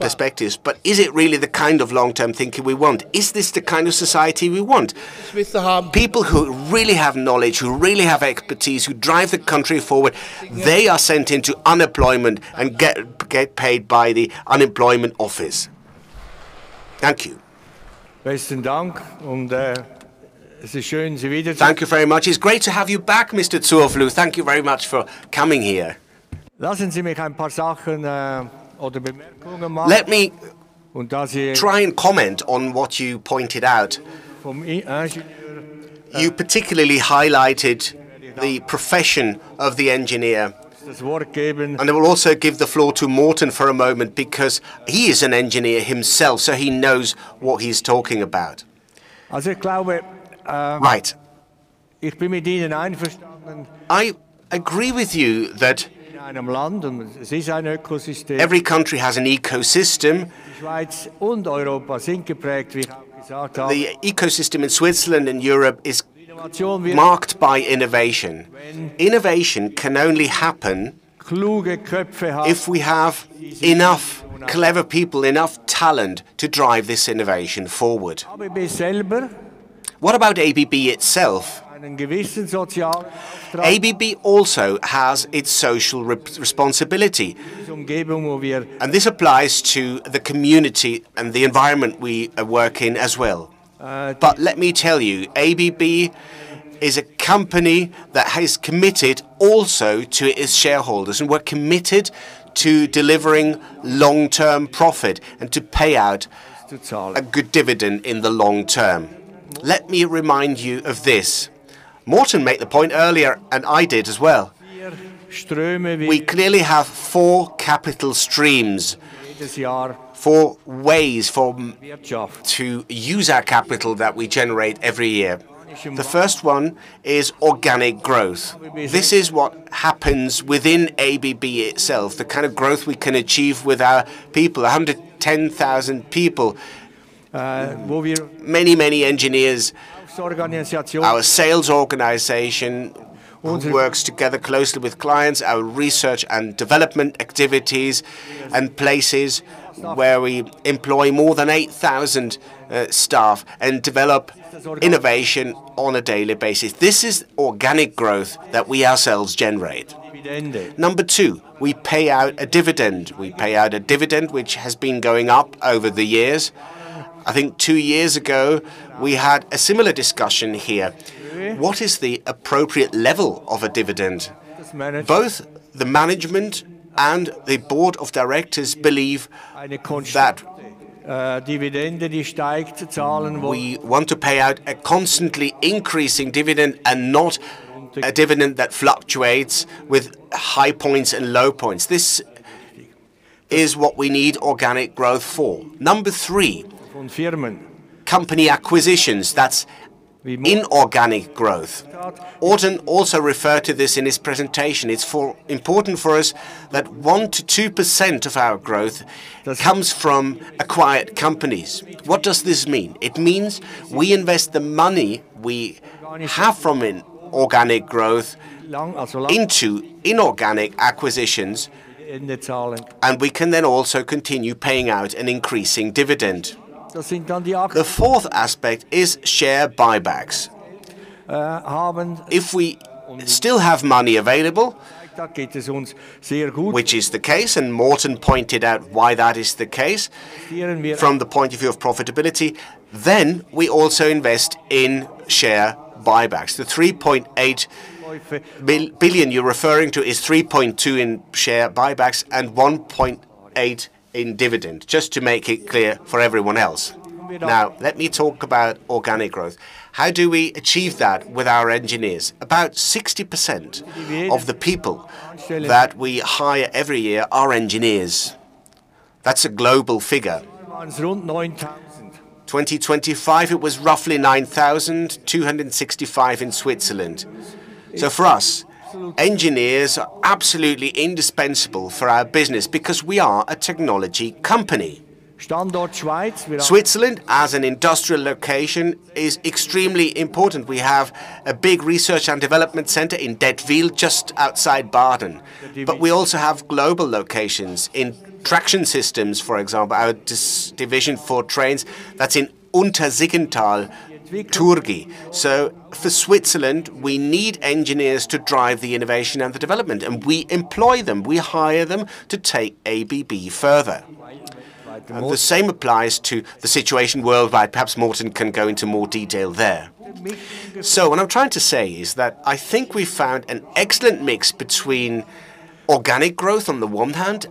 perspectives, but is it really the kind of long-term thinking we want? Is this the kind of society we want? People who really have knowledge, who really have expertise, who drive the country forward, they are sent into unemployment and get paid by the unemployment office. Thank you. Besten Dank. Es ist schön, Sie wieder– Thank you very much. It's great to have you back, Mr. Zurfluh. Thank you very much for coming here. Lassen Sie mich ein paar Sachen, oder Bemerkungen machen. Let me try and comment on what you pointed out. You particularly highlighted the profession of the engineer. I will also give the floor to Morten for a moment because he is an engineer himself, so he knows what he's talking about. Ich glaube. Right. Ich bin mit Ihnen einverstanden. I agree with you that every country has an ecosystem. Schweiz und Europa sind geprägt wie. The ecosystem in Switzerland and Europe is marked by innovation. Innovation can only happen if we have enough clever people, enough talent to drive this innovation forward. What about ABB itself? ABB also has its social responsibility, and this applies to the community and the environment we work in as well. Let me tell you, ABB is a company that has committed also to its shareholders, and we're committed to delivering long-term profit and to pay out a good dividend in the long term. Let me remind you of this. Morten made the point earlier, and I did as well. We clearly have four capital streams. Four ways to use our capital that we generate every year. The first one is organic growth. This is what happens within ABB itself, the kind of growth we can achieve with our people. 110,000 people. Many engineers. Our sales organization works together closely with clients. Our research and development activities and places where we employ more than 8,000 staff and develop innovation on a daily basis. This is organic growth that we ourselves generate. Number two, we pay out a dividend. We pay out a dividend which has been going up over the years. I think two years ago, we had a similar discussion here. What is the appropriate level of a dividend? Both the management and the Board of Directors believe that we want to pay out a constantly increasing dividend and not a dividend that fluctuates with high points and low points. This is what we need organic growth for. Number three, company acquisitions. That's inorganic growth. Morten also referred to this in his presentation. It's important for us that 1%-2% of our growth comes from acquired companies. What does this mean? It means we invest the money we have from inorganic growth into inorganic acquisitions, and we can then also continue paying out an increasing dividend. The fourth aspect is share buybacks. If we still have money available, which is the case, and Morten pointed out why that is the case from the point of view of profitability, then we also invest in share buybacks. The 3.8 billion you're referring to is $3.2 billion in share buybacks and $1.8 billion in dividend, just to make it clear for everyone else. Now, let me talk about organic growth. How do we achieve that with our engineers? About 60% of the people that we hire every year are engineers. That's a global figure. 2025, it was roughly 9,265 in Switzerland. For us, engineers are absolutely indispensable for our business because we are a technology company. Switzerland, as an industrial location, is extremely important. We have a big research and development center in Dättwil, just outside Baden. We also have global locations. In traction systems, for example, our division for trains, that's in Untersiggenthal, Turgi. For Switzerland, we need engineers to drive the innovation and the development, and we employ them. We hire them to take ABB further. The same applies to the situation worldwide. Perhaps Morten can go into more detail there. What I'm trying to say is that I think we found an excellent mix between organic growth on the one hand,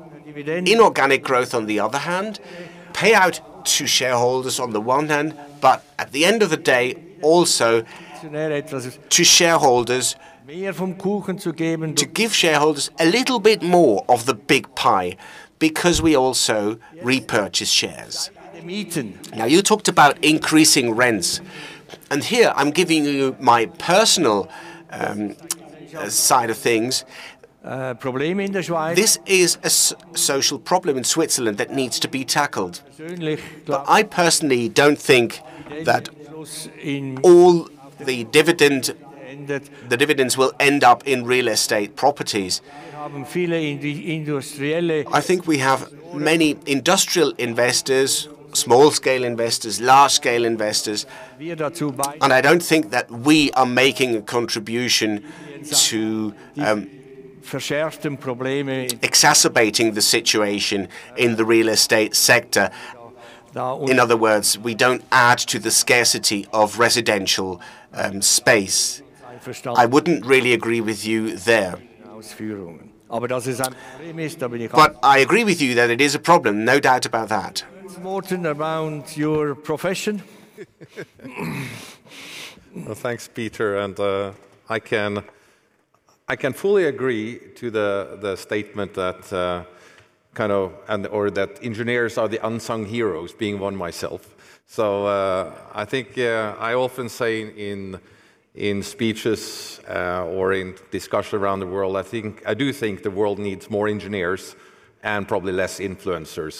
inorganic growth on the other hand, payout to shareholders on the one hand, but at the end of the day, also to shareholders, to give shareholders a little bit more of the big pie because we also repurchase shares. Now, you talked about increasing rents, and here I'm giving you my personal side of things. This is a social problem in Switzerland that needs to be tackled. But I personally don't think that all the dividends will end up in real estate properties. I think we have many industrial investors, small-scale investors, large-scale investors, and I don't think that we are making a contribution to exacerbating the situation in the real estate sector. In other words, we don't add to the scarcity of residential space. I wouldn't really agree with you there. I agree with you that it is a problem. No doubt about that. Morten, around your profession? Well, thanks, Peter, and I can fully agree to the statement that engineers are the unsung heroes, being one myself. I think I often say in speeches or in discussion around the world, I do think the world needs more engineers and probably less influencers.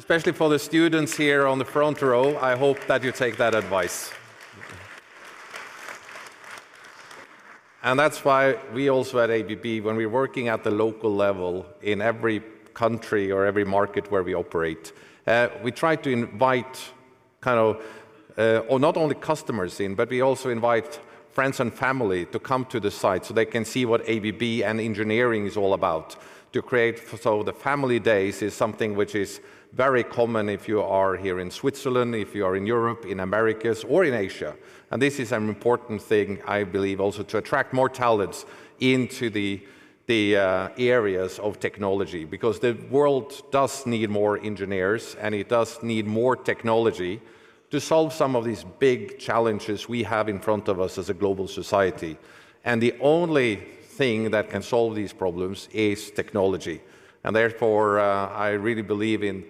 Especially for the students here on the front row, I hope that you take that advice. That's why we also at ABB, when we're working at the local level in every country or every market where we operate, we try to invite not only customers in, but we also invite friends and family to come to the site so they can see what ABB and engineering is all about to create. The family days is something which is very common if you are here in Switzerland, if you are in Europe, in Americas, or in Asia. This is an important thing, I believe, also to attract more talents into the areas of technology, because the world does need more engineers, and it does need more technology to solve some of these big challenges we have in front of us as a global society. The only thing that can solve these problems is technology. Therefore, I really believe in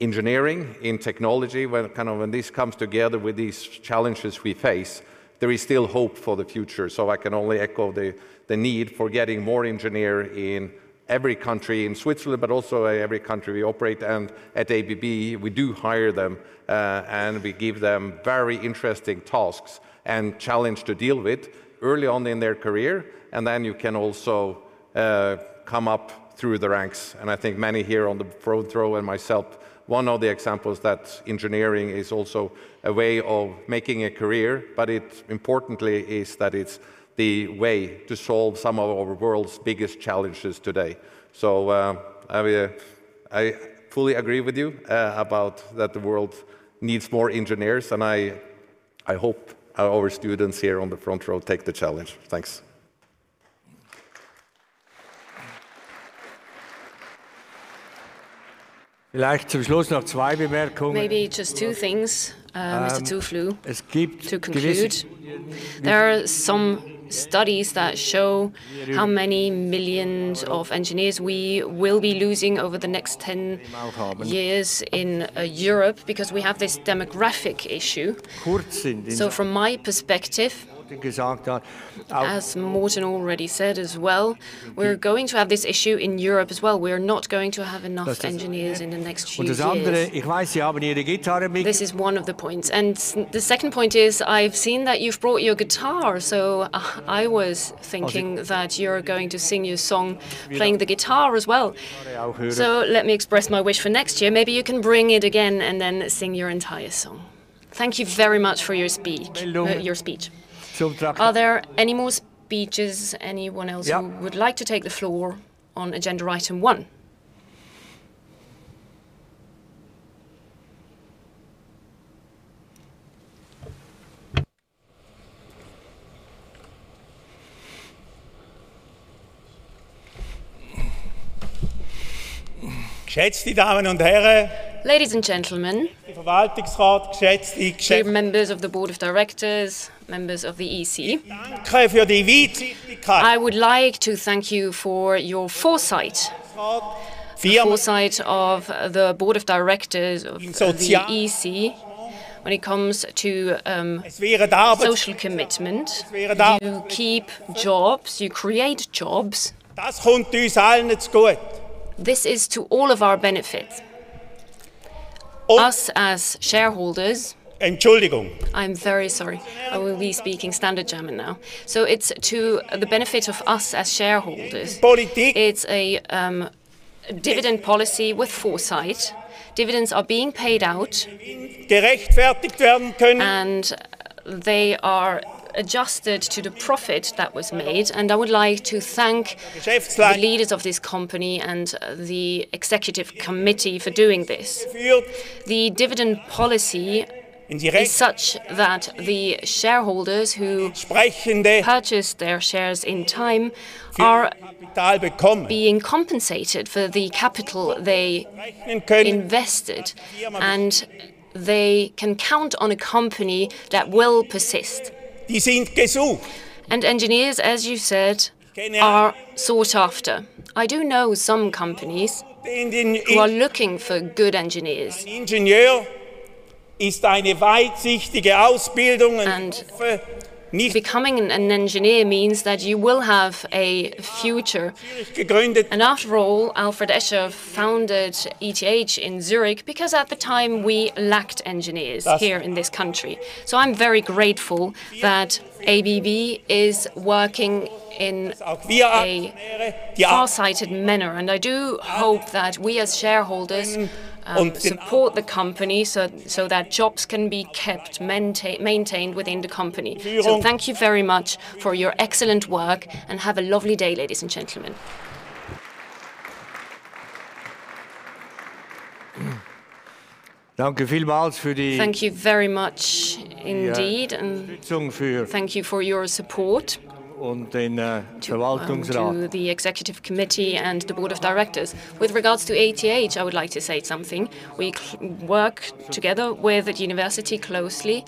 engineering, in technology, kind of, when this comes together with these challenges we face, there is still hope for the future. I can only echo the need for getting more engineers in every country, in Switzerland, but also every country we operate. At ABB, we do hire them, and we give them very interesting tasks and challenge to deal with early on in their career, and then you can also come up through the ranks. I think many here on the front row and myself, one of the examples that engineering is also a way of making a career, but it importantly is that it's the way to solve some of our world's biggest challenges today. I fully agree with you about that the world needs more engineers, and I hope our students here on the front row take the challenge. Thanks. Maybe just two things, Mr. Zurfluh, to conclude. There are some studies that show how many millions of engineers we will be losing over the next 10 years in Europe because we have this demographic issue. From my perspective, as Morten already said as well, we're going to have this issue in Europe as well. We're not going to have enough engineers in the next few years. This is one of the points. The second point is I've seen that you've brought your guitar, so I was thinking that you're going to sing your song playing the guitar as well. Let me express my wish for next year. Maybe you can bring it again and then sing your entire song. Thank you very much for your speech. Are there any more speeches? Anyone else who would like to take the floor on agenda item one? Ladies and gentlemen, dear members of the Board of Directors, members of the EC, I would like to thank you for your foresight, the foresight of the Board of Directors of the EC when it comes to social commitment. You keep jobs, you create jobs. This is to all of our benefit. It's to the benefit of us as shareholders. It's a dividend policy with foresight. Dividends are being paid out, and they are adjusted to the profit that was made, and I would like to thank the leaders of this company and the Executive Committee for doing this. The dividend policy is such that the shareholders who purchase their shares in time are being compensated for the capital they invested, and they can count on a company that will persist. Engineers, as you said, are sought after. I do know some companies who are looking for good engineers. Becoming an engineer means that you will have a future. After all, Alfred Escher founded ETH in Zurich because at the time we lacked engineers here in this country. I'm very grateful that ABB is working in a farsighted manner, and I do hope that we as shareholders support the company so that jobs can be kept maintained within the company. Thank you very much for your excellent work and have a lovely day, ladies and gentlemen. Thank you very much indeed and thank you for your support to the Executive Committee and the Board of Directors. With regards to ETH, I would like to say something. We work together with the university closely.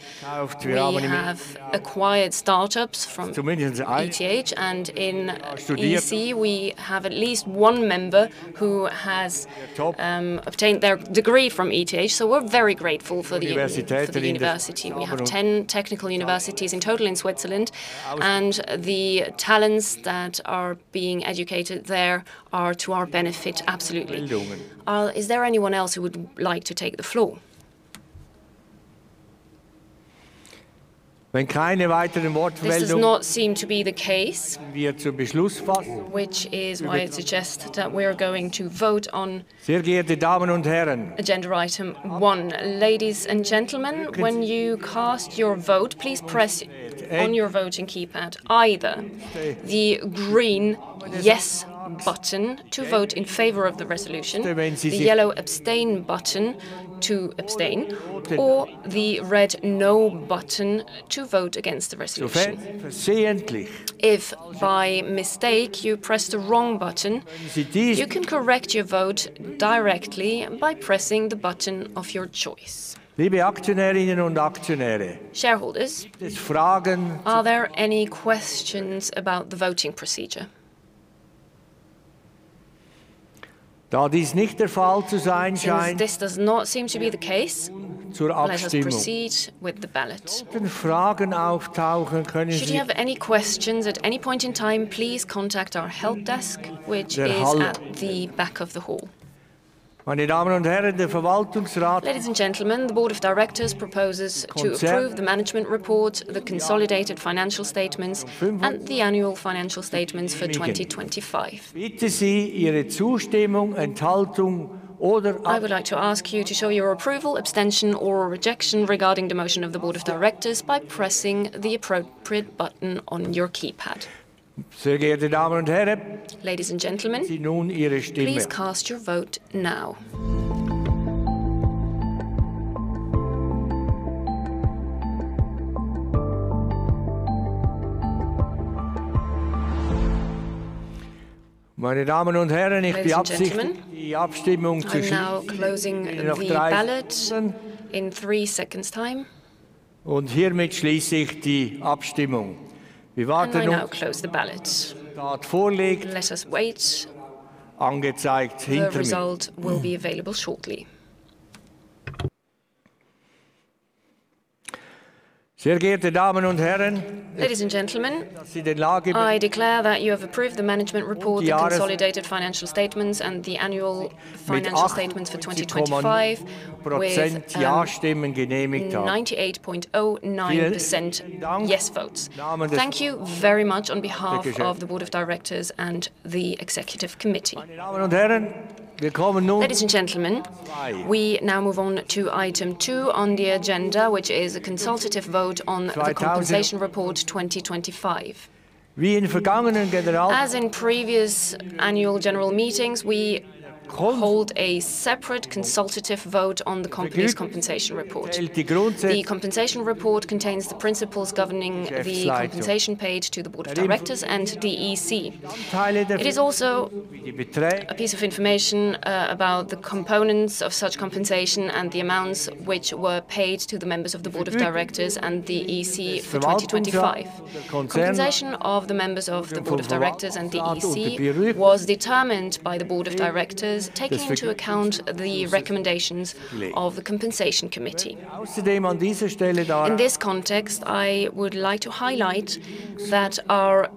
We have acquired startups from ETH, and in EC, we have at least one member who has obtained their degree from ETH, so we're very grateful for the university. We have 10 technical universities in total in Switzerland, and the talents that are being educated there are to our benefit. Absolutely. Is there anyone else who would like to take the floor? This does not seem to be the case, which is why I suggest that we're going to vote on agenda item one. Ladies and gentlemen, when you cast your vote, please press on your voting keypad either the green yes button to vote in favor of the resolution, the yellow abstain button to abstain, or the red no button to vote against the resolution. If by mistake you press the wrong button, you can correct your vote directly by pressing the button of your choice. Shareholders, are there any questions about the voting procedure? Since this does not seem to be the case, let us proceed with the ballot. Should you have any questions at any point in time, please contact our help desk, which is at the back of the hall. Ladies and gentlemen, the Board of Directors proposes to approve the management report, the consolidated financial statements, and the annual financial statements for 2025. I would like to ask you to show your approval, abstention, or rejection regarding the motion of the Board of Directors by pressing the appropriate button on your keypad. Ladies and gentlemen, please cast your vote now. Meine Damen und Herren, ich die Abstimmung für noch 3 Sekunden. Hiermit schließe ich die Abstimmung. Wir warten auf. I now close the ballot. Das vorliegt. Let us wait. Angezeigt hinter mir. The result will be available shortly. Sehr geehrte Damen und Herren. Ladies and gentlemen. I declare that you have approved the management report, the consolidated financial statements and the annual financial statements for 2025 with 98.09% yes votes. Thank you very much on behalf of the Board of Directors and the Executive Committee. Meine Damen und Herren, wir kommen nun. Ladies and gentlemen. We now move on to item two on the agenda, which is a consultative vote on the Compensation Report 2025. Die in vergangenen General– As in previous Annual General Meetings, we hold a separate consultative vote on the company's Compensation Report. The Compensation Report contains the principles governing the compensation paid to the Board of Directors and the EC. It is also a piece of information about the components of such compensation and the amounts which were paid to the members of the Board of Directors and the EC for 2025. Compensation of the members of the Board of Directors and the EC was determined by the Board of Directors, taking into account the recommendations of the Compensation Committee. In this context, I would like to highlight that our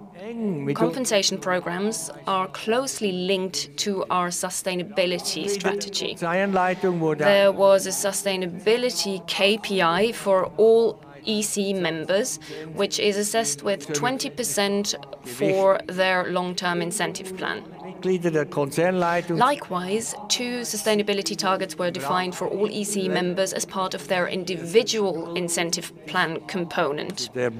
compensation programs are closely linked to our sustainability strategy. There was a sustainability KPI for all EC members, which is assessed with 20% for their long term incentive plan. Likewise, two sustainability targets were defined for all EC members as part of their individual incentive plan component. An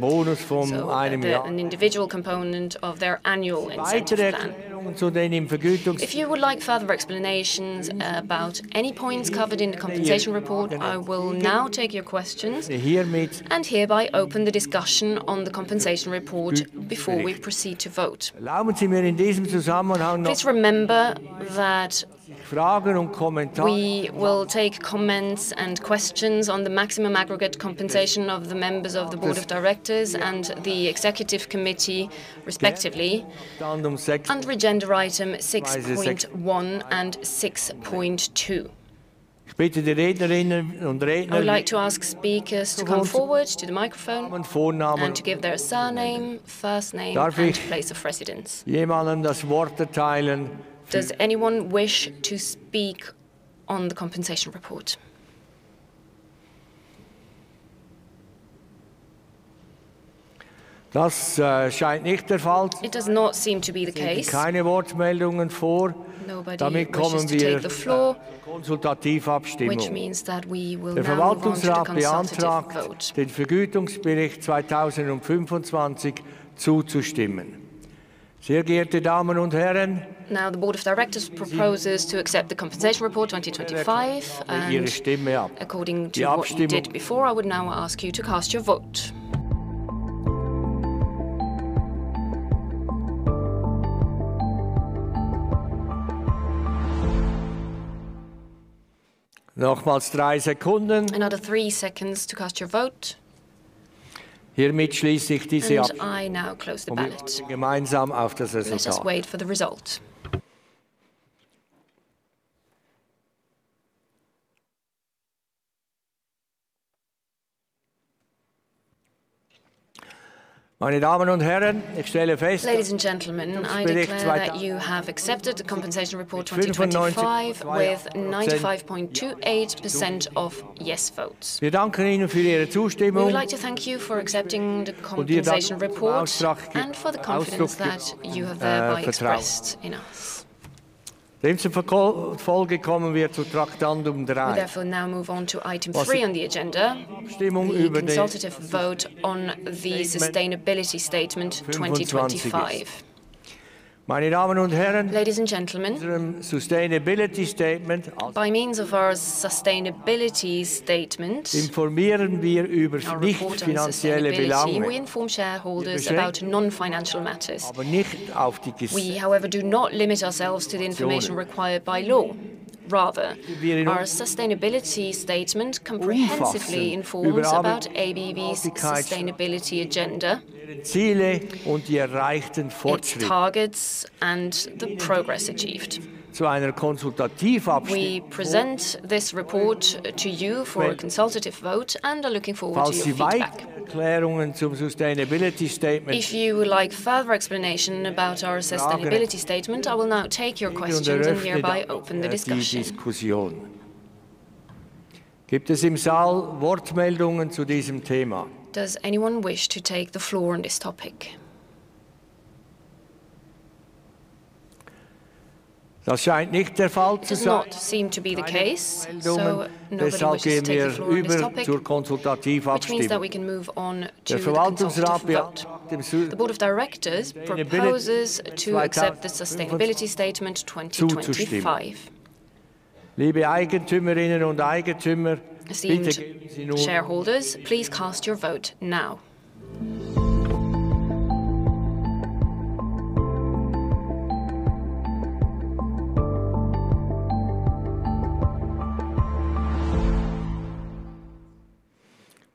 individual component of their annual incentive plan. If you would like further explanations about any points covered in the Compensation Report, I will now take your questions and hereby open the discussion on the Compensation Report before we proceed to vote. Please remember that we will take comments and questions on the maximum aggregate compensation of the members of the Board of Directors and the Executive Committee, respectively. Under agenda item 6.1 and 6.2. I would like to ask speakers to come forward to the microphone and to give their surname, first name and place of residence. Does anyone wish to speak on the Compensation Report? Das scheint nicht der Fall. It does not seem to be the case. Sehe ich keine Wortmeldungen vor. Nobody wishes to take the floor. Konsultativabstimmung. Which means that we will now move on to the consultative vote. Den Vergütungsbericht 2025 zuzustimmen. Sehr geehrte Damen und Herren. Now the Board of Directors proposes to accept the Compensation Report 2025 and according to what you did before, I would now ask you to cast your vote. Nochmals 3 Sekunden. Another three seconds to cast your vote. Hiermit schließe ich diese. I now close the ballot. Gemeinsam auf das Resultat. Let us wait for the result. Meine Damen und Herren, ich stelle fest. Ladies and gentlemen, I declare that you have accepted the Compensation Report 2025 with 95.28% of yes votes. Wir danken Ihnen für Ihre Zustimmung. We would like to thank you for accepting the Compensation Report and for the confidence that you have thereby expressed in us. Im Folgenden kommen wir zu Traktandum 3. We therefore now move on to item three on the agenda: the consultative vote on the Sustainability Statement 2025. Meine Damen und Herren. Ladies and gentlemen. Sustainability Statement. By means of our Sustainability Statement. Informieren wir über nicht-finanzielle Belange. Our report on sustainability. We inform shareholders about non-financial matters. We however, do not limit ourselves to the information required by law. Rather, our Sustainability Statement comprehensively informs about ABB's sustainability agenda. Ziele und die erreichten Fortschritte. Its targets and the progress achieved. Zu einer konsultative Abstimmung. We present this report to you for a consultative vote and are looking forward to your feedback. Erklärungen zum Sustainability Statement. If you would like further explanation about our Sustainability Statement, I will now take your questions and hereby open the discussion. Gibt es im Saal Wortmeldungen zu diesem Thema? Does anyone wish to take the floor on this topic? Das scheint nicht der Fall zu- It does not seem to be the case. Nobody wishes to take the floor on this topic. Which means that we can move on to the consultative vote. The Board of Directors proposes to accept the Sustainability Statement 2025. Liebe Eigentümerinnen und Eigentümer, bitte geben Sie nun. Esteemed shareholders,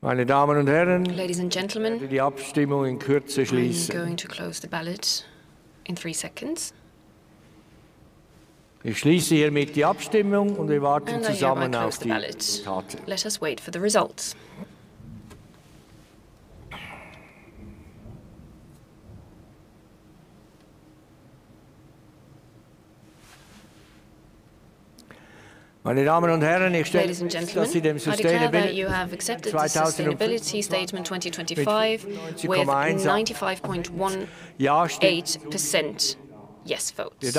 please cast your vote now. Meine Damen und Herren. Ladies and gentlemen. Werde die Abstimmung in Kürze schließen. I'm going to close the ballot in three seconds. Ich schließe hiermit die Abstimmung und wir warten zusammen auf die Karte. I hereby close the ballot. Let us wait for the results. Meine Damen und Herren, ich stelle fest, dass Sie dem Sustainability Statement. Ladies and gentlemen, I declare that you have accepted the Sustainability Statement 2025. -zweitausendvierundzwanzig mit vierundneunzig Komma eins- with 95.18% yes votes. Wir danken für Ihre Zustimmung. We would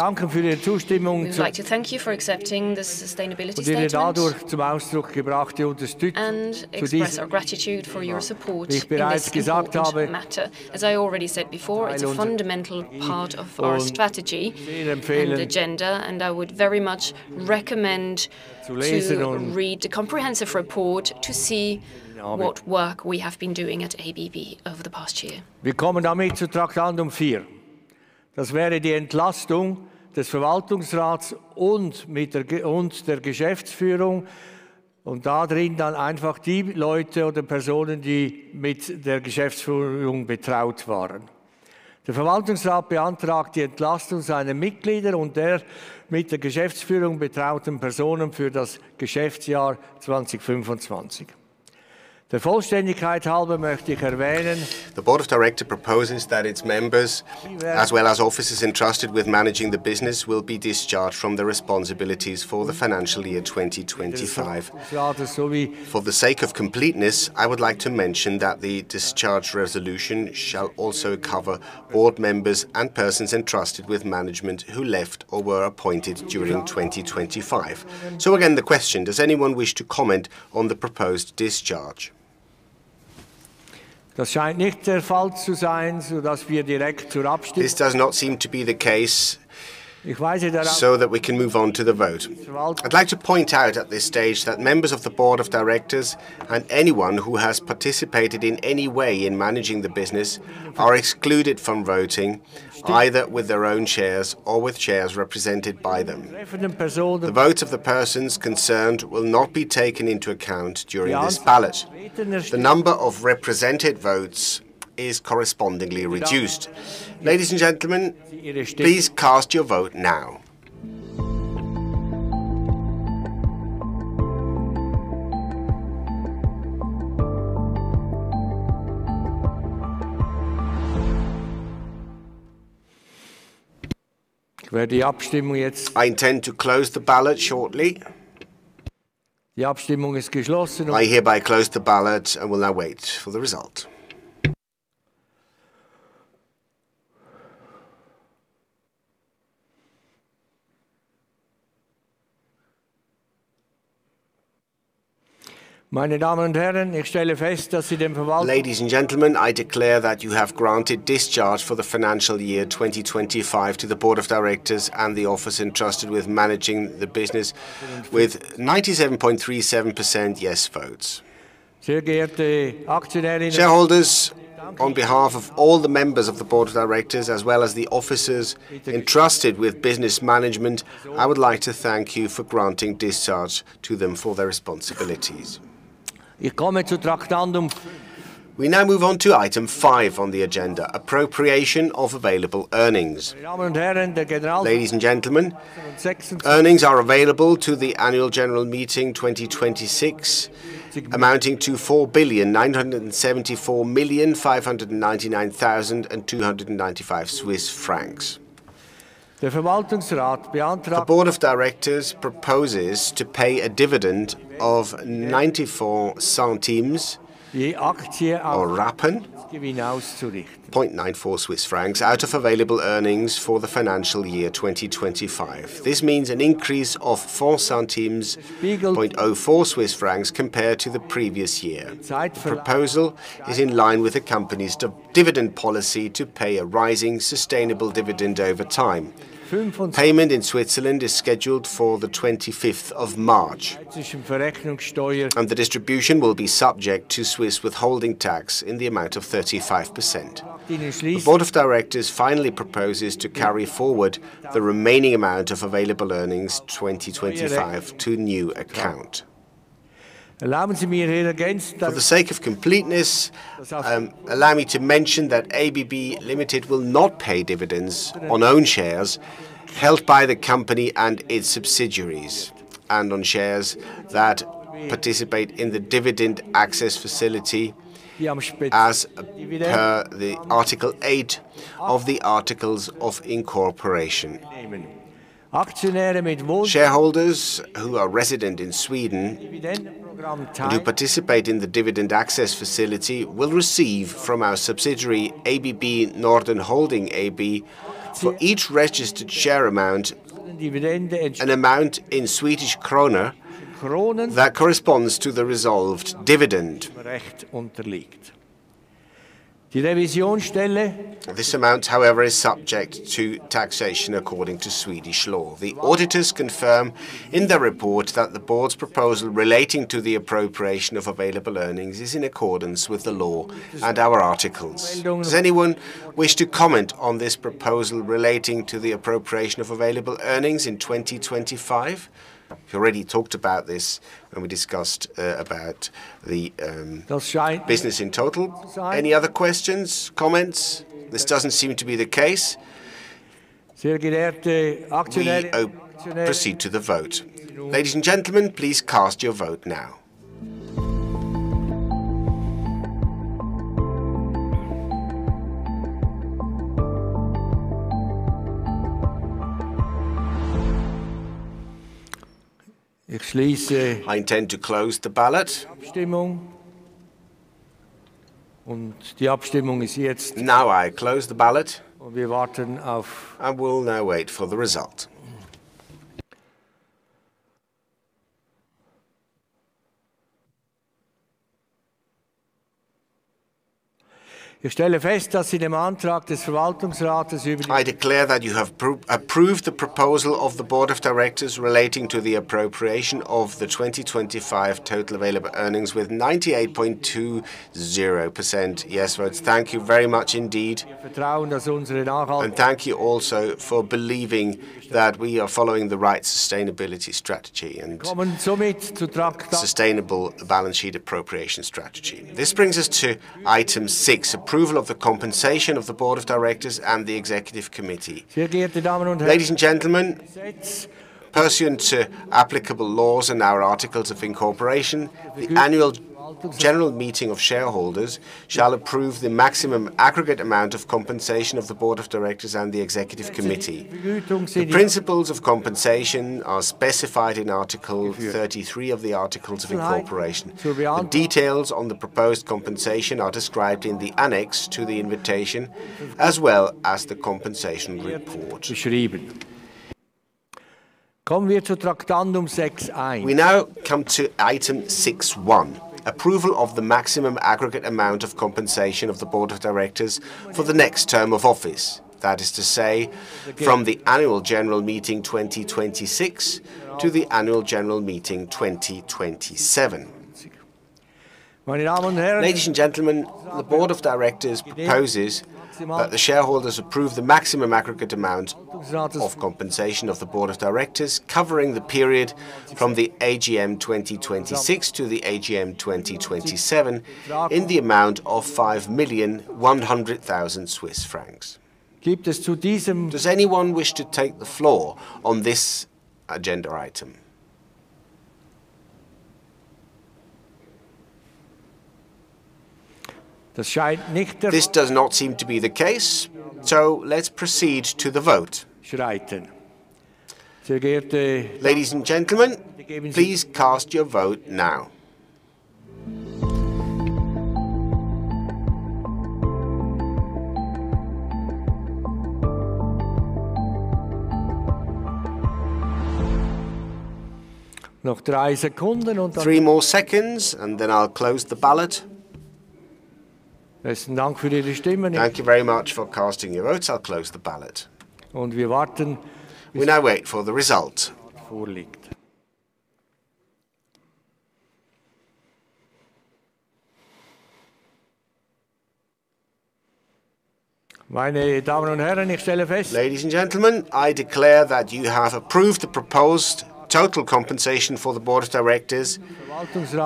like to thank you for accepting the Sustainability Statement. und Ihren dadurch zum Ausdruck gebrachte Unterstützung in dieser And express our gratitude for your support. Wie ich bereits gesagt habe. In this important matter. As I already said before, it's a fundamental part of our strategy and agenda, and I would very much recommend to read the comprehensive report to see what work we have been doing at ABB over the past year. Wir kommen damit zu Tagesordnungspunkt vier. Das wäre die Entlastung des Verwaltungsrats und der Geschäftsführung, und da drin dann einfach die Leute oder Personen, die mit der Geschäftsführung betraut waren. Der Verwaltungsrat beantragt die Entlastung seiner Mitglieder und der mit der Geschäftsführung betrauten Personen für das Geschäftsjahr 2025. Der Vollständigkeit halber möchte ich erwähnen. The Board of Directors proposes that its members, as well as officers entrusted with managing the business, will be discharged from their responsibilities for the financial year 2025. -ja, das sowie- For the sake of completeness, I would like to mention that the discharge resolution shall also cover board members and persons entrusted with management who left or were appointed during 2025. Again, the question: Does anyone wish to comment on the proposed discharge? Das scheint nicht der Fall zu sein, sodass wir direkt zur Abstimmung. This does not seem to be the case. Ich weise darauf hin- We can move on to the vote. I'd like to point out at this stage that members of the Board of Directors and anyone who has participated in any way in managing the business are excluded from voting, either with their own shares or with shares represented by them. Die betreffenden Personen The votes of the persons concerned will not be taken into account during this ballot. Ja, das sowie. The number of represented votes is correspondingly reduced. Ladies and gentlemen, please cast your vote now. Ich werde die Abstimmung jetzt. I intend to close the ballot shortly. Die Abstimmung ist geschlossen. I hereby close the ballot and will now wait for the result. Meine Damen und Herren, ich stelle fest, dass Sie dem Verwaltungsrat. Ladies and gentlemen, I declare that you have granted discharge for the financial year 2025 to the Board of Directors and the office entrusted with managing the business with 97.37% yes votes. Sehr geehrte Aktionärinnen und Aktionäre. Shareholders, on behalf of all the members of the Board of Directors as well as the officers entrusted with business management, I would like to thank you for granting discharge to them for their responsibilities. Ich komme zu Traktandum. We now move on to item 5 on the agenda: Appropriation of available earnings. Meine Damen und Herren, der General Ladies and gentlemen, earnings are available to the Annual General Meeting 2026 amounting to CHF 4,974,599,295. Der Verwaltungsrat beantragt. The Board of Directors proposes to pay a dividend of 0.94. je Aktie auszurichten. CHF 0.94 out of available earnings for the financial year 2025. This means an increase of 0.04 Swiss francs, compared to the previous year. Die Zeit für- The proposal is in line with the company's dividend policy to pay a rising, sustainable dividend over time. Fünf und- Payment in Switzerland is scheduled for the 25th of March. -Verrechnungssteuer- The distribution will be subject to Swiss withholding tax in the amount of 35%. In diesem Fall. The Board of Directors finally proposes to carry forward the remaining amount of available earnings 2025 to new account. Erlauben Sie mir hier gegen- For the sake of completeness, allow me to mention that ABB Ltd will not pay dividends on own shares held by the company and its subsidiaries, and on shares that participate in the dividend access facility. Hier am Schnitt. As per the Article 8 of the Articles of Incorporation. -Aktionäre mit Wohnsitz- Shareholders who are resident in Sweden. Dividend program teil who participate in the dividend access facility will receive from our subsidiary, ABB Norden Holding AB, for each registered share amount. -Dividende- an amount in Swedish krona -Kronen- that corresponds to the resolved dividend. Recht unterliegt. This amount, however, is subject to taxation according to Swedish law. The auditors confirm in their report that the board's proposal relating to the appropriation of available earnings is in accordance with the law and our articles. Does anyone wish to comment on this proposal relating to the appropriation of available earnings in 2025? We already talked about this when we discussed the business in total. Any other questions, comments? This doesn't seem to be the case. We proceed to the vote. Ladies and gentlemen, please cast your vote now. I intend to close the ballot. Now I close the ballot. I will now wait for the result. I declare that you have approved the proposal of the Board of Directors relating to the appropriation of the 2025 total available earnings with 98.20% yes votes. Thank you very much indeed. Thank you also for believing that we are following the right sustainability strategy and sustainable balance sheet appropriation strategy. This brings us to item 6, approval of the compensation of the Board of Directors and the Executive Committee. Ladies and gentlemen, pursuant to applicable laws and our articles of incorporation, the Annual General Meeting of shareholders shall approve the maximum aggregate amount of compensation of the Board of Directors and the Executive Committee. The principles of compensation are specified in Article 33 of the articles of incorporation. The details on the proposed compensation are described in the annex to the invitation, as well as the Compensation Report. We now come to item 6.1: approval of the maximum aggregate amount of compensation of the Board of Directors for the next term of office. That is to say, from the Annual General Meeting 2026 to the Annual General Meeting 2027. Ladies and gentlemen, the Board of Directors proposes that the shareholders approve the maximum aggregate amount of compensation of the Board of Directors covering the period from the AGM 2026 to the AGM 2027 in the amount of 5.1 million Swiss francs. Does anyone wish to take the floor on this agenda item? This does not seem to be the case, so let's proceed to the vote. Ladies and gentlemen, please cast your vote now. Three more seconds, and then I'll close the ballot. Thank you very much for casting your votes. I'll close the ballot. We now wait for the result. Ladies and gentlemen, I declare that you have approved the proposed total compensation for the Board of Directors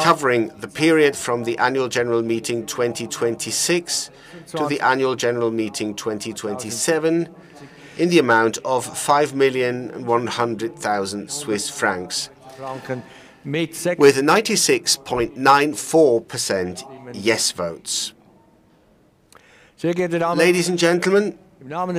covering the period from the Annual General Meeting 2026 to the Annual General Meeting 2027 in the amount of 5.1 million Swiss francs with 96.94% yes votes. Ladies and gentlemen, on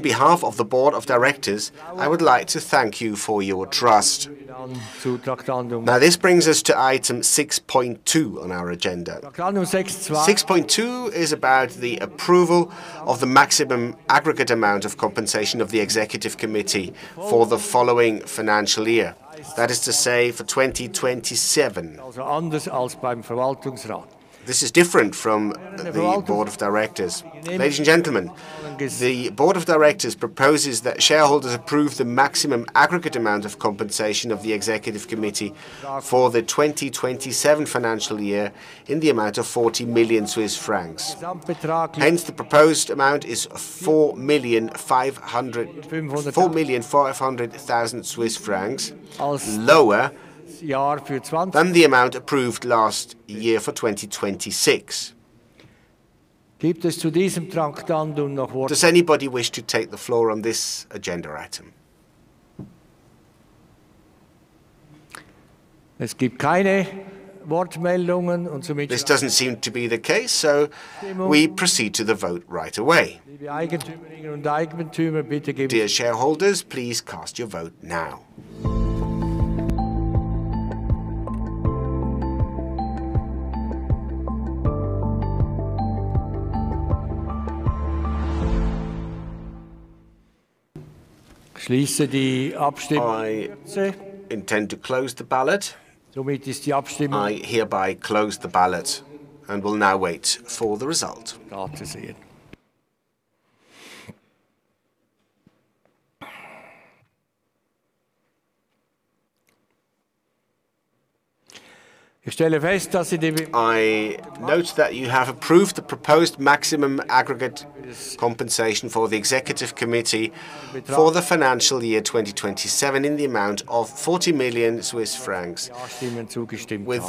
behalf of the Board of Directors, I would like to thank you for your trust. Now, this brings us to item 6.2 on our agenda. 6.2 is about the approval of the maximum aggregate amount of compensation of the Executive Committee for the following financial year. That is to say for 2027. This is different from the Board of Directors. Ladies and gentlemen, the Board of Directors proposes that shareholders approve the maximum aggregate amount of compensation of the Executive Committee for the 2027 financial year in the amount of 40 million Swiss francs. Hence, the proposed amount is 4.5 million lower than the amount approved last year for 2026. Does anybody wish to take the floor on this agenda item? This doesn't seem to be the case, so we proceed to the vote right away. Dear shareholders, please cast your vote now. I intend to close the ballot. I hereby close the ballot and will now wait for the result. I note that you have approved the proposed maximum aggregate compensation for the Executive Committee for the financial year 2027 in the amount of 40 million Swiss francs with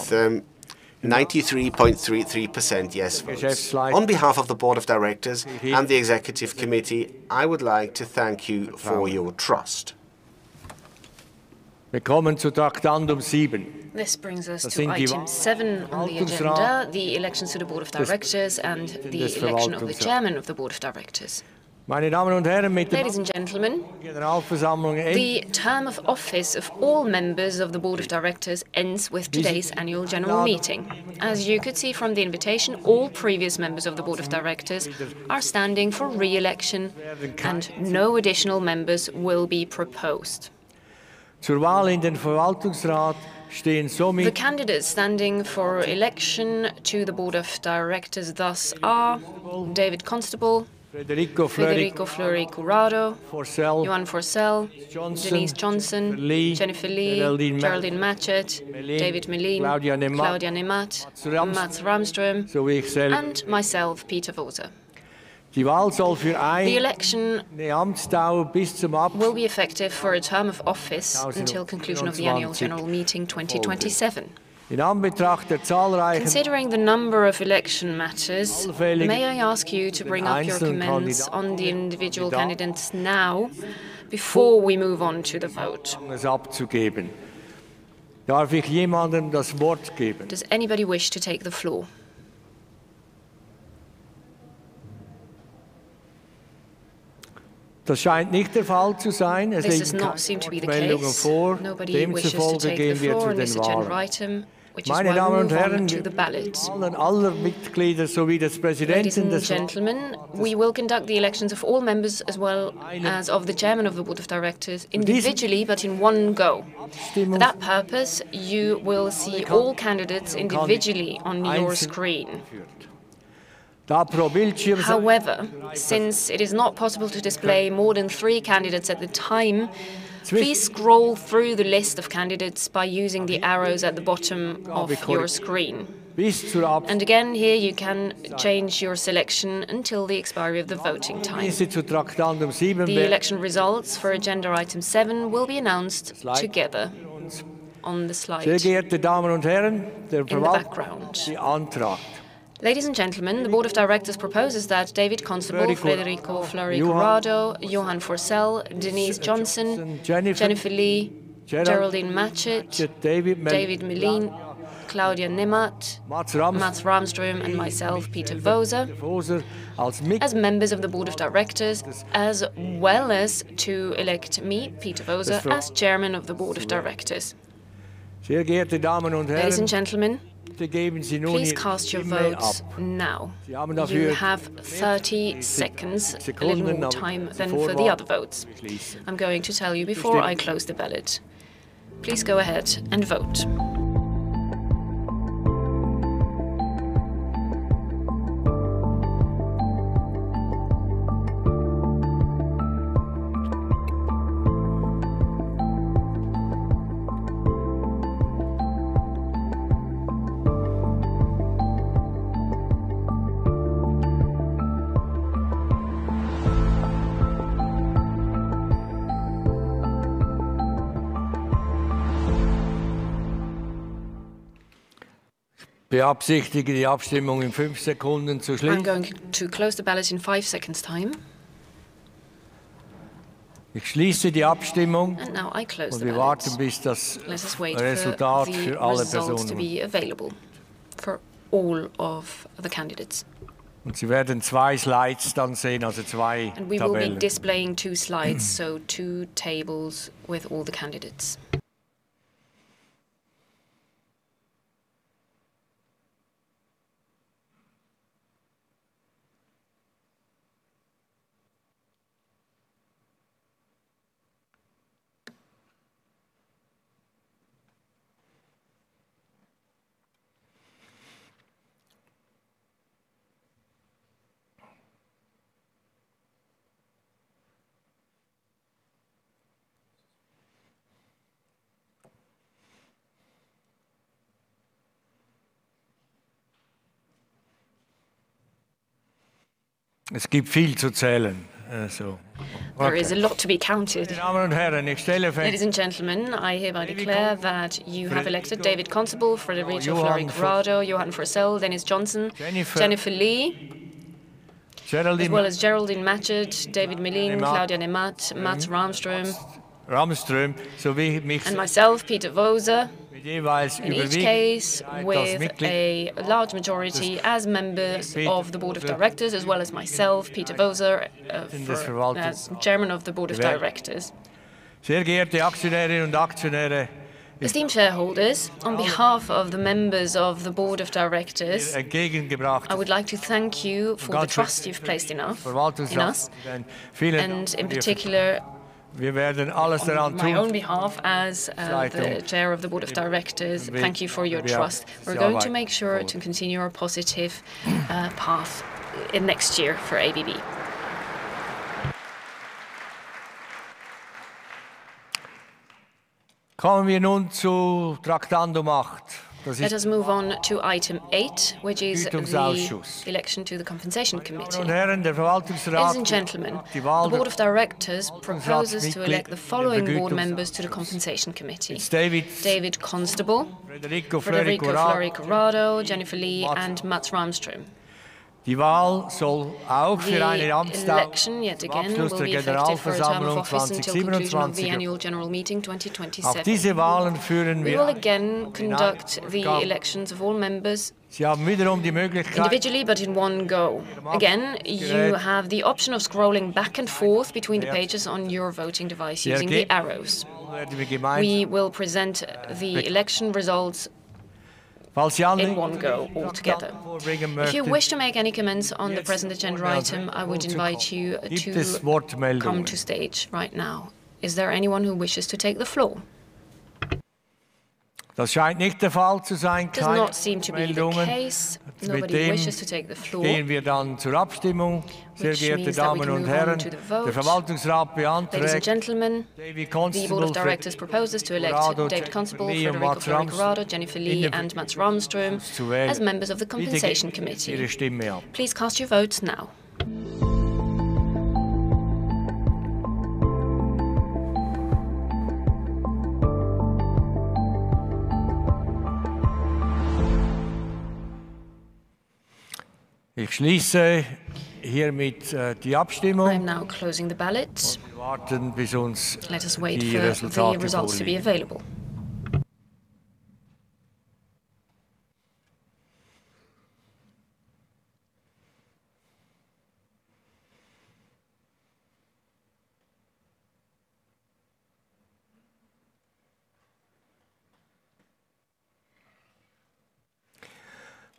93.33% yes votes. On behalf of the Board of Directors and the Executive Committee, I would like to thank you for your trust. This brings us to item seven on the agenda, the elections to the Board of Directors and the election of the Chairman of the Board of Directors. Ladies and gentlemen, the term of office of all members of the Board of Directors ends with today's Annual General Meeting. As you could see from the invitation, all previous members of the Board of Directors are standing for re-election, and no additional members will be proposed. The candidates standing for election to the Board of Directors thus are David Constable, Frederico Fleury Curado, Johan Forssell, Denise Johnson, Jennifer Li, Geraldine Matchett, David Meline, Claudia Nemat, Mats Rahmström, and myself, Peter Voser. The election will be effective for a term of office until conclusion of the Annual General Meeting 2027. Considering the number of election matters, may I ask you to bring up your comments on the individual candidates now before we move on to the vote? Does anybody wish to take the floor? This does not seem to be the case. Nobody wishes to take the floor on this general item, which is why we move on to the ballot. Ladies and gentlemen, we will conduct the elections of all members as well as of the Chairman of the Board of Directors individually, but in one go. For that purpose, you will see all candidates individually on your screen. However, since it is not possible to display more than three candidates at a time, please scroll through the list of candidates by using the arrows at the bottom of your screen. Again, here you can change your selection until the expiry of the voting time. The election results for agenda item 7 will be announced together on the slide in the background. Ladies and gentlemen, the Board of Directors proposes that David Constable, Frederico Fleury Curado, Johan Forssell, Denise Johnson, Jennifer Li, Geraldine Matchett, David Meline, Claudia Nemat, Mats Rahmström, and myself, Peter Voser, as members of the Board of Directors, as well as to elect me, Peter Voser, as Chairman of the Board of Directors. Ladies and gentlemen, please cast your votes now. You have 30 seconds, a little more time than for the other votes. I'm going to tell you before I close the ballot. Please go ahead and vote. I'm going to close the ballot in five seconds' time. Now I close the ballot. Let us wait for the results to be available for all of the candidates. We will be displaying two slides, so two tables with all the candidates. There is a lot to be counted. Ladies and gentlemen, I hereby declare that you have elected David Constable, Frederico Fleury Curado, Johan Forssell, Denise Johnson, Jennifer Li, as well as Geraldine Matchett, David Meline, Claudia Nemat, Mats Rahmström, and myself, Peter Voser, in each case with a large majority as members of the Board of Directors, as well as myself, Peter Voser, for Chairman of the Board of Directors. Sehr geehrte Aktionärinnen und Aktionäre. Esteemed shareholders. On behalf of the members of the Board of Directors, I would like to thank you for the trust you've placed in us, and in particular on my own behalf as the Chair of the Board of Directors, thank you for your trust. We're going to make sure to continue our positive path in next year for ABB. Kommen wir nun zu Traktandum 8. Let us move on to item 8, which is the election to the Compensation Committee. Ladies and Gentlemen, the Board of Directors proposes to elect the following board members to the Compensation Committee, David Constable, Frederico Fleury Curado, Jennifer Li and Mats Rahmström. The election, yet again, will be effective for a term of office until conclusion of the Annual General Meeting 2027. We will again conduct the elections of all members individually, but in one go. Again, you have the option of scrolling back and forth between the pages on your voting device using the arrows. We will present the election results in one go all together. If you wish to make any comments on the present agenda item, I would invite you to come to stage right now. Is there anyone who wishes to take the floor? Das scheint nicht der Fall zu sein. Does not seem to be the case. Nobody wishes to take the floor. Gehen wir dann zur Abstimmung. Sehr geehrte Damen und Herren. Ladies and Gentlemen, the Board of Directors proposes to elect David Constable, Frederico Fleury Curado, Jennifer Li and Mats Rahmström as members of the Compensation Committee. Please cast your votes now. Ich schließe hiermit die Abstimmung. I am now closing the ballot. Let us wait for the results to be available.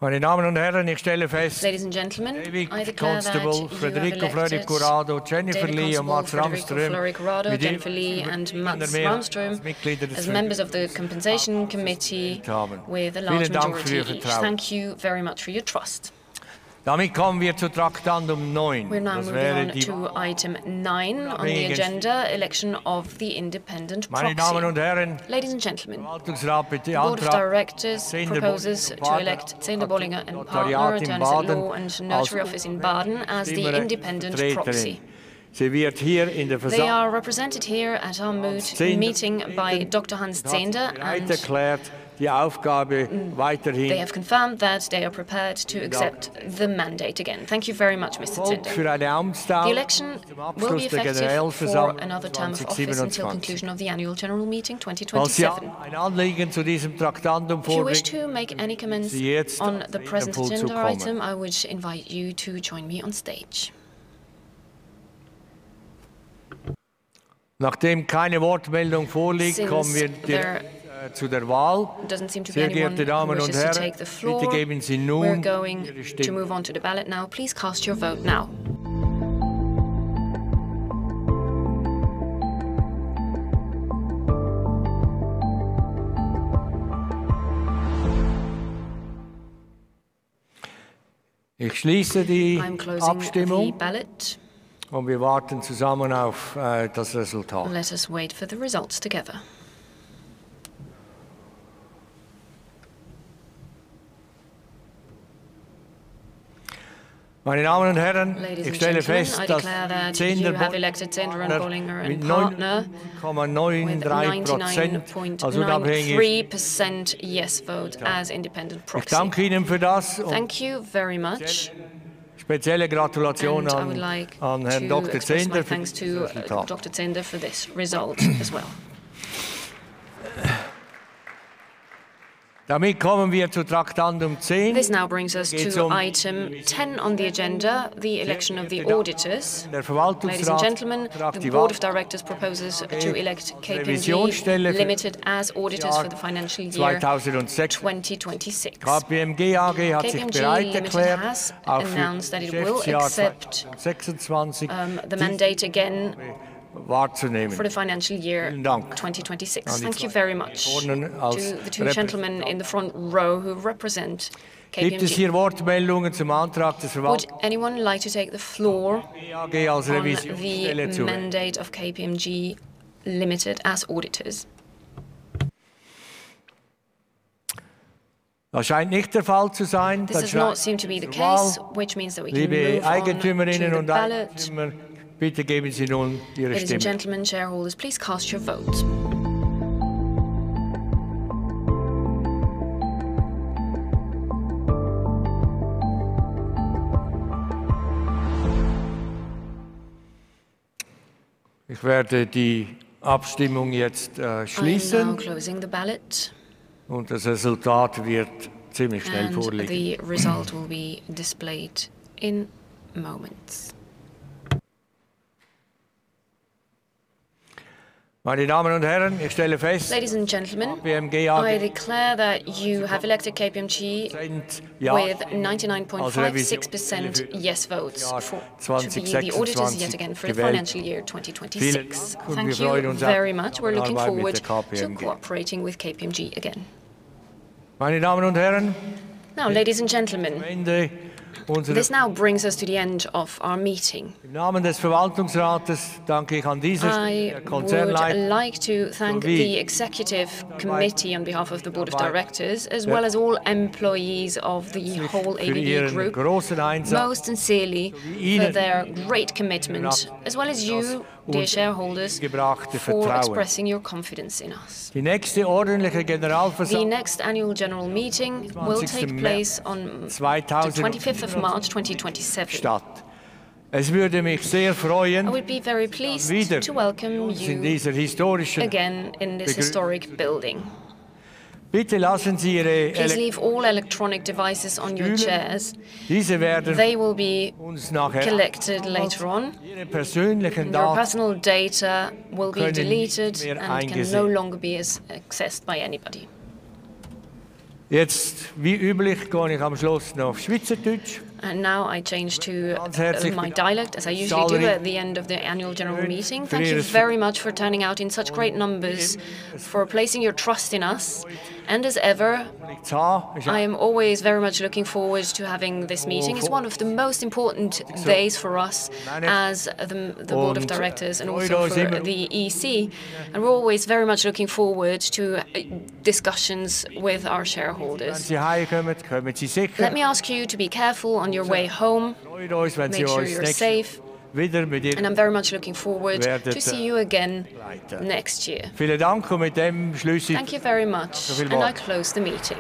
Meine Damen und Herren, ich stelle fest. Ladies and Gentlemen, I declare that you have elected David Constable, Frederico Fleury Curado, Jennifer Li and Mats Rahmström as members of the Compensation Committee with a large majority each. Thank you very much for your trust. Damit kommen wir zu Traktandum 9. We're now moving on to item 9 on the agenda, election of the independent proxy. Ladies and Gentlemen, the Board of Directors proposes to elect Zünder, Bollinger & Partner, Attorneys at Law and Notary Office in Baden, as the independent proxy. They are represented here at our meeting by Dr. Hans Zehnder, and they have confirmed that they are prepared to accept the mandate again. Thank you very much, Mr. Zehnder. The election will be effective for another term of office until conclusion of the Annual General Meeting 2027. If you wish to make any comments on the present agenda item, I would invite you to join me on stage. Nachdem keine Wortmeldung vorliegt, kommen wir direkt zu der Wahl. Since there doesn't seem to be anyone who wishes to take the floor, we're going to move on to the ballot now. Please cast your vote now. Ich schließe die Abstimmung. I am closing the ballot. Wir warten zusammen auf das Resultat. Let us wait for the results together. Ladies and Gentlemen, I declare that you have elected Zünder, Bollinger & Partner with 99.93% yes vote as independent proxy. Thank you very much. I would like to express my thanks to Dr. Zünder for this result as well. This now brings us to item 10 on the agenda, the election of the auditors. Ladies and Gentlemen, the Board of Directors proposes to elect KPMG Limited as auditors for the financial year 2026. KPMG Limited has announced that it will accept the mandate again for the financial year 2026. Thank you very much to the two gentlemen in the front row who represent KPMG. Would anyone like to take the floor on the mandate of KPMG Limited as auditors? Das scheint nicht der Fall zu sein. This does not seem to be the case, which means that we can move on to the ballot. Bitte geben Sie nun Ihre Stimme. Ladies and Gentlemen, shareholders, please cast your vote. Ich werde die Abstimmung jetzt schließen. I am now closing the ballot. Das Resultat wird ziemlich schnell vorliegen. Ladies and gentlemen, I declare that you have elected KPMG with 99.56% yes votes for to be the auditors yet again for the financial year 2026. Thank you very much. We're looking forward to cooperating with KPMG again. Now, ladies and gentlemen, this now brings us to the end of our meeting. I would like to thank the Executive Committee on behalf of the Board of Directors, as well as all employees of the whole ABB Group, most sincerely for their great commitment, as well as you, dear shareholders, for expressing your confidence in us. The next Annual General Meeting will take place on the twenty-fifth of March, 2027. I would be very pleased to welcome you again in this historic building. Please leave all electronic devices on your chairs. They will be collected later on. Your personal data will be deleted, and it can no longer be accessed by anybody. Now I change to my dialect, as I usually do at the end of the Annual General Meeting. Thank you very much for turning out in such great numbers, for placing your trust in us. As ever, I am always very much looking forward to having this meeting. It's one of the most important days for us as the Board of Directors and also for the EC, and we're always very much looking forward to discussions with our shareholders. Let me ask you to be careful on your way home. Make sure you're safe. I'm very much looking forward to see you again next year. Thank you very much, and I close the meeting.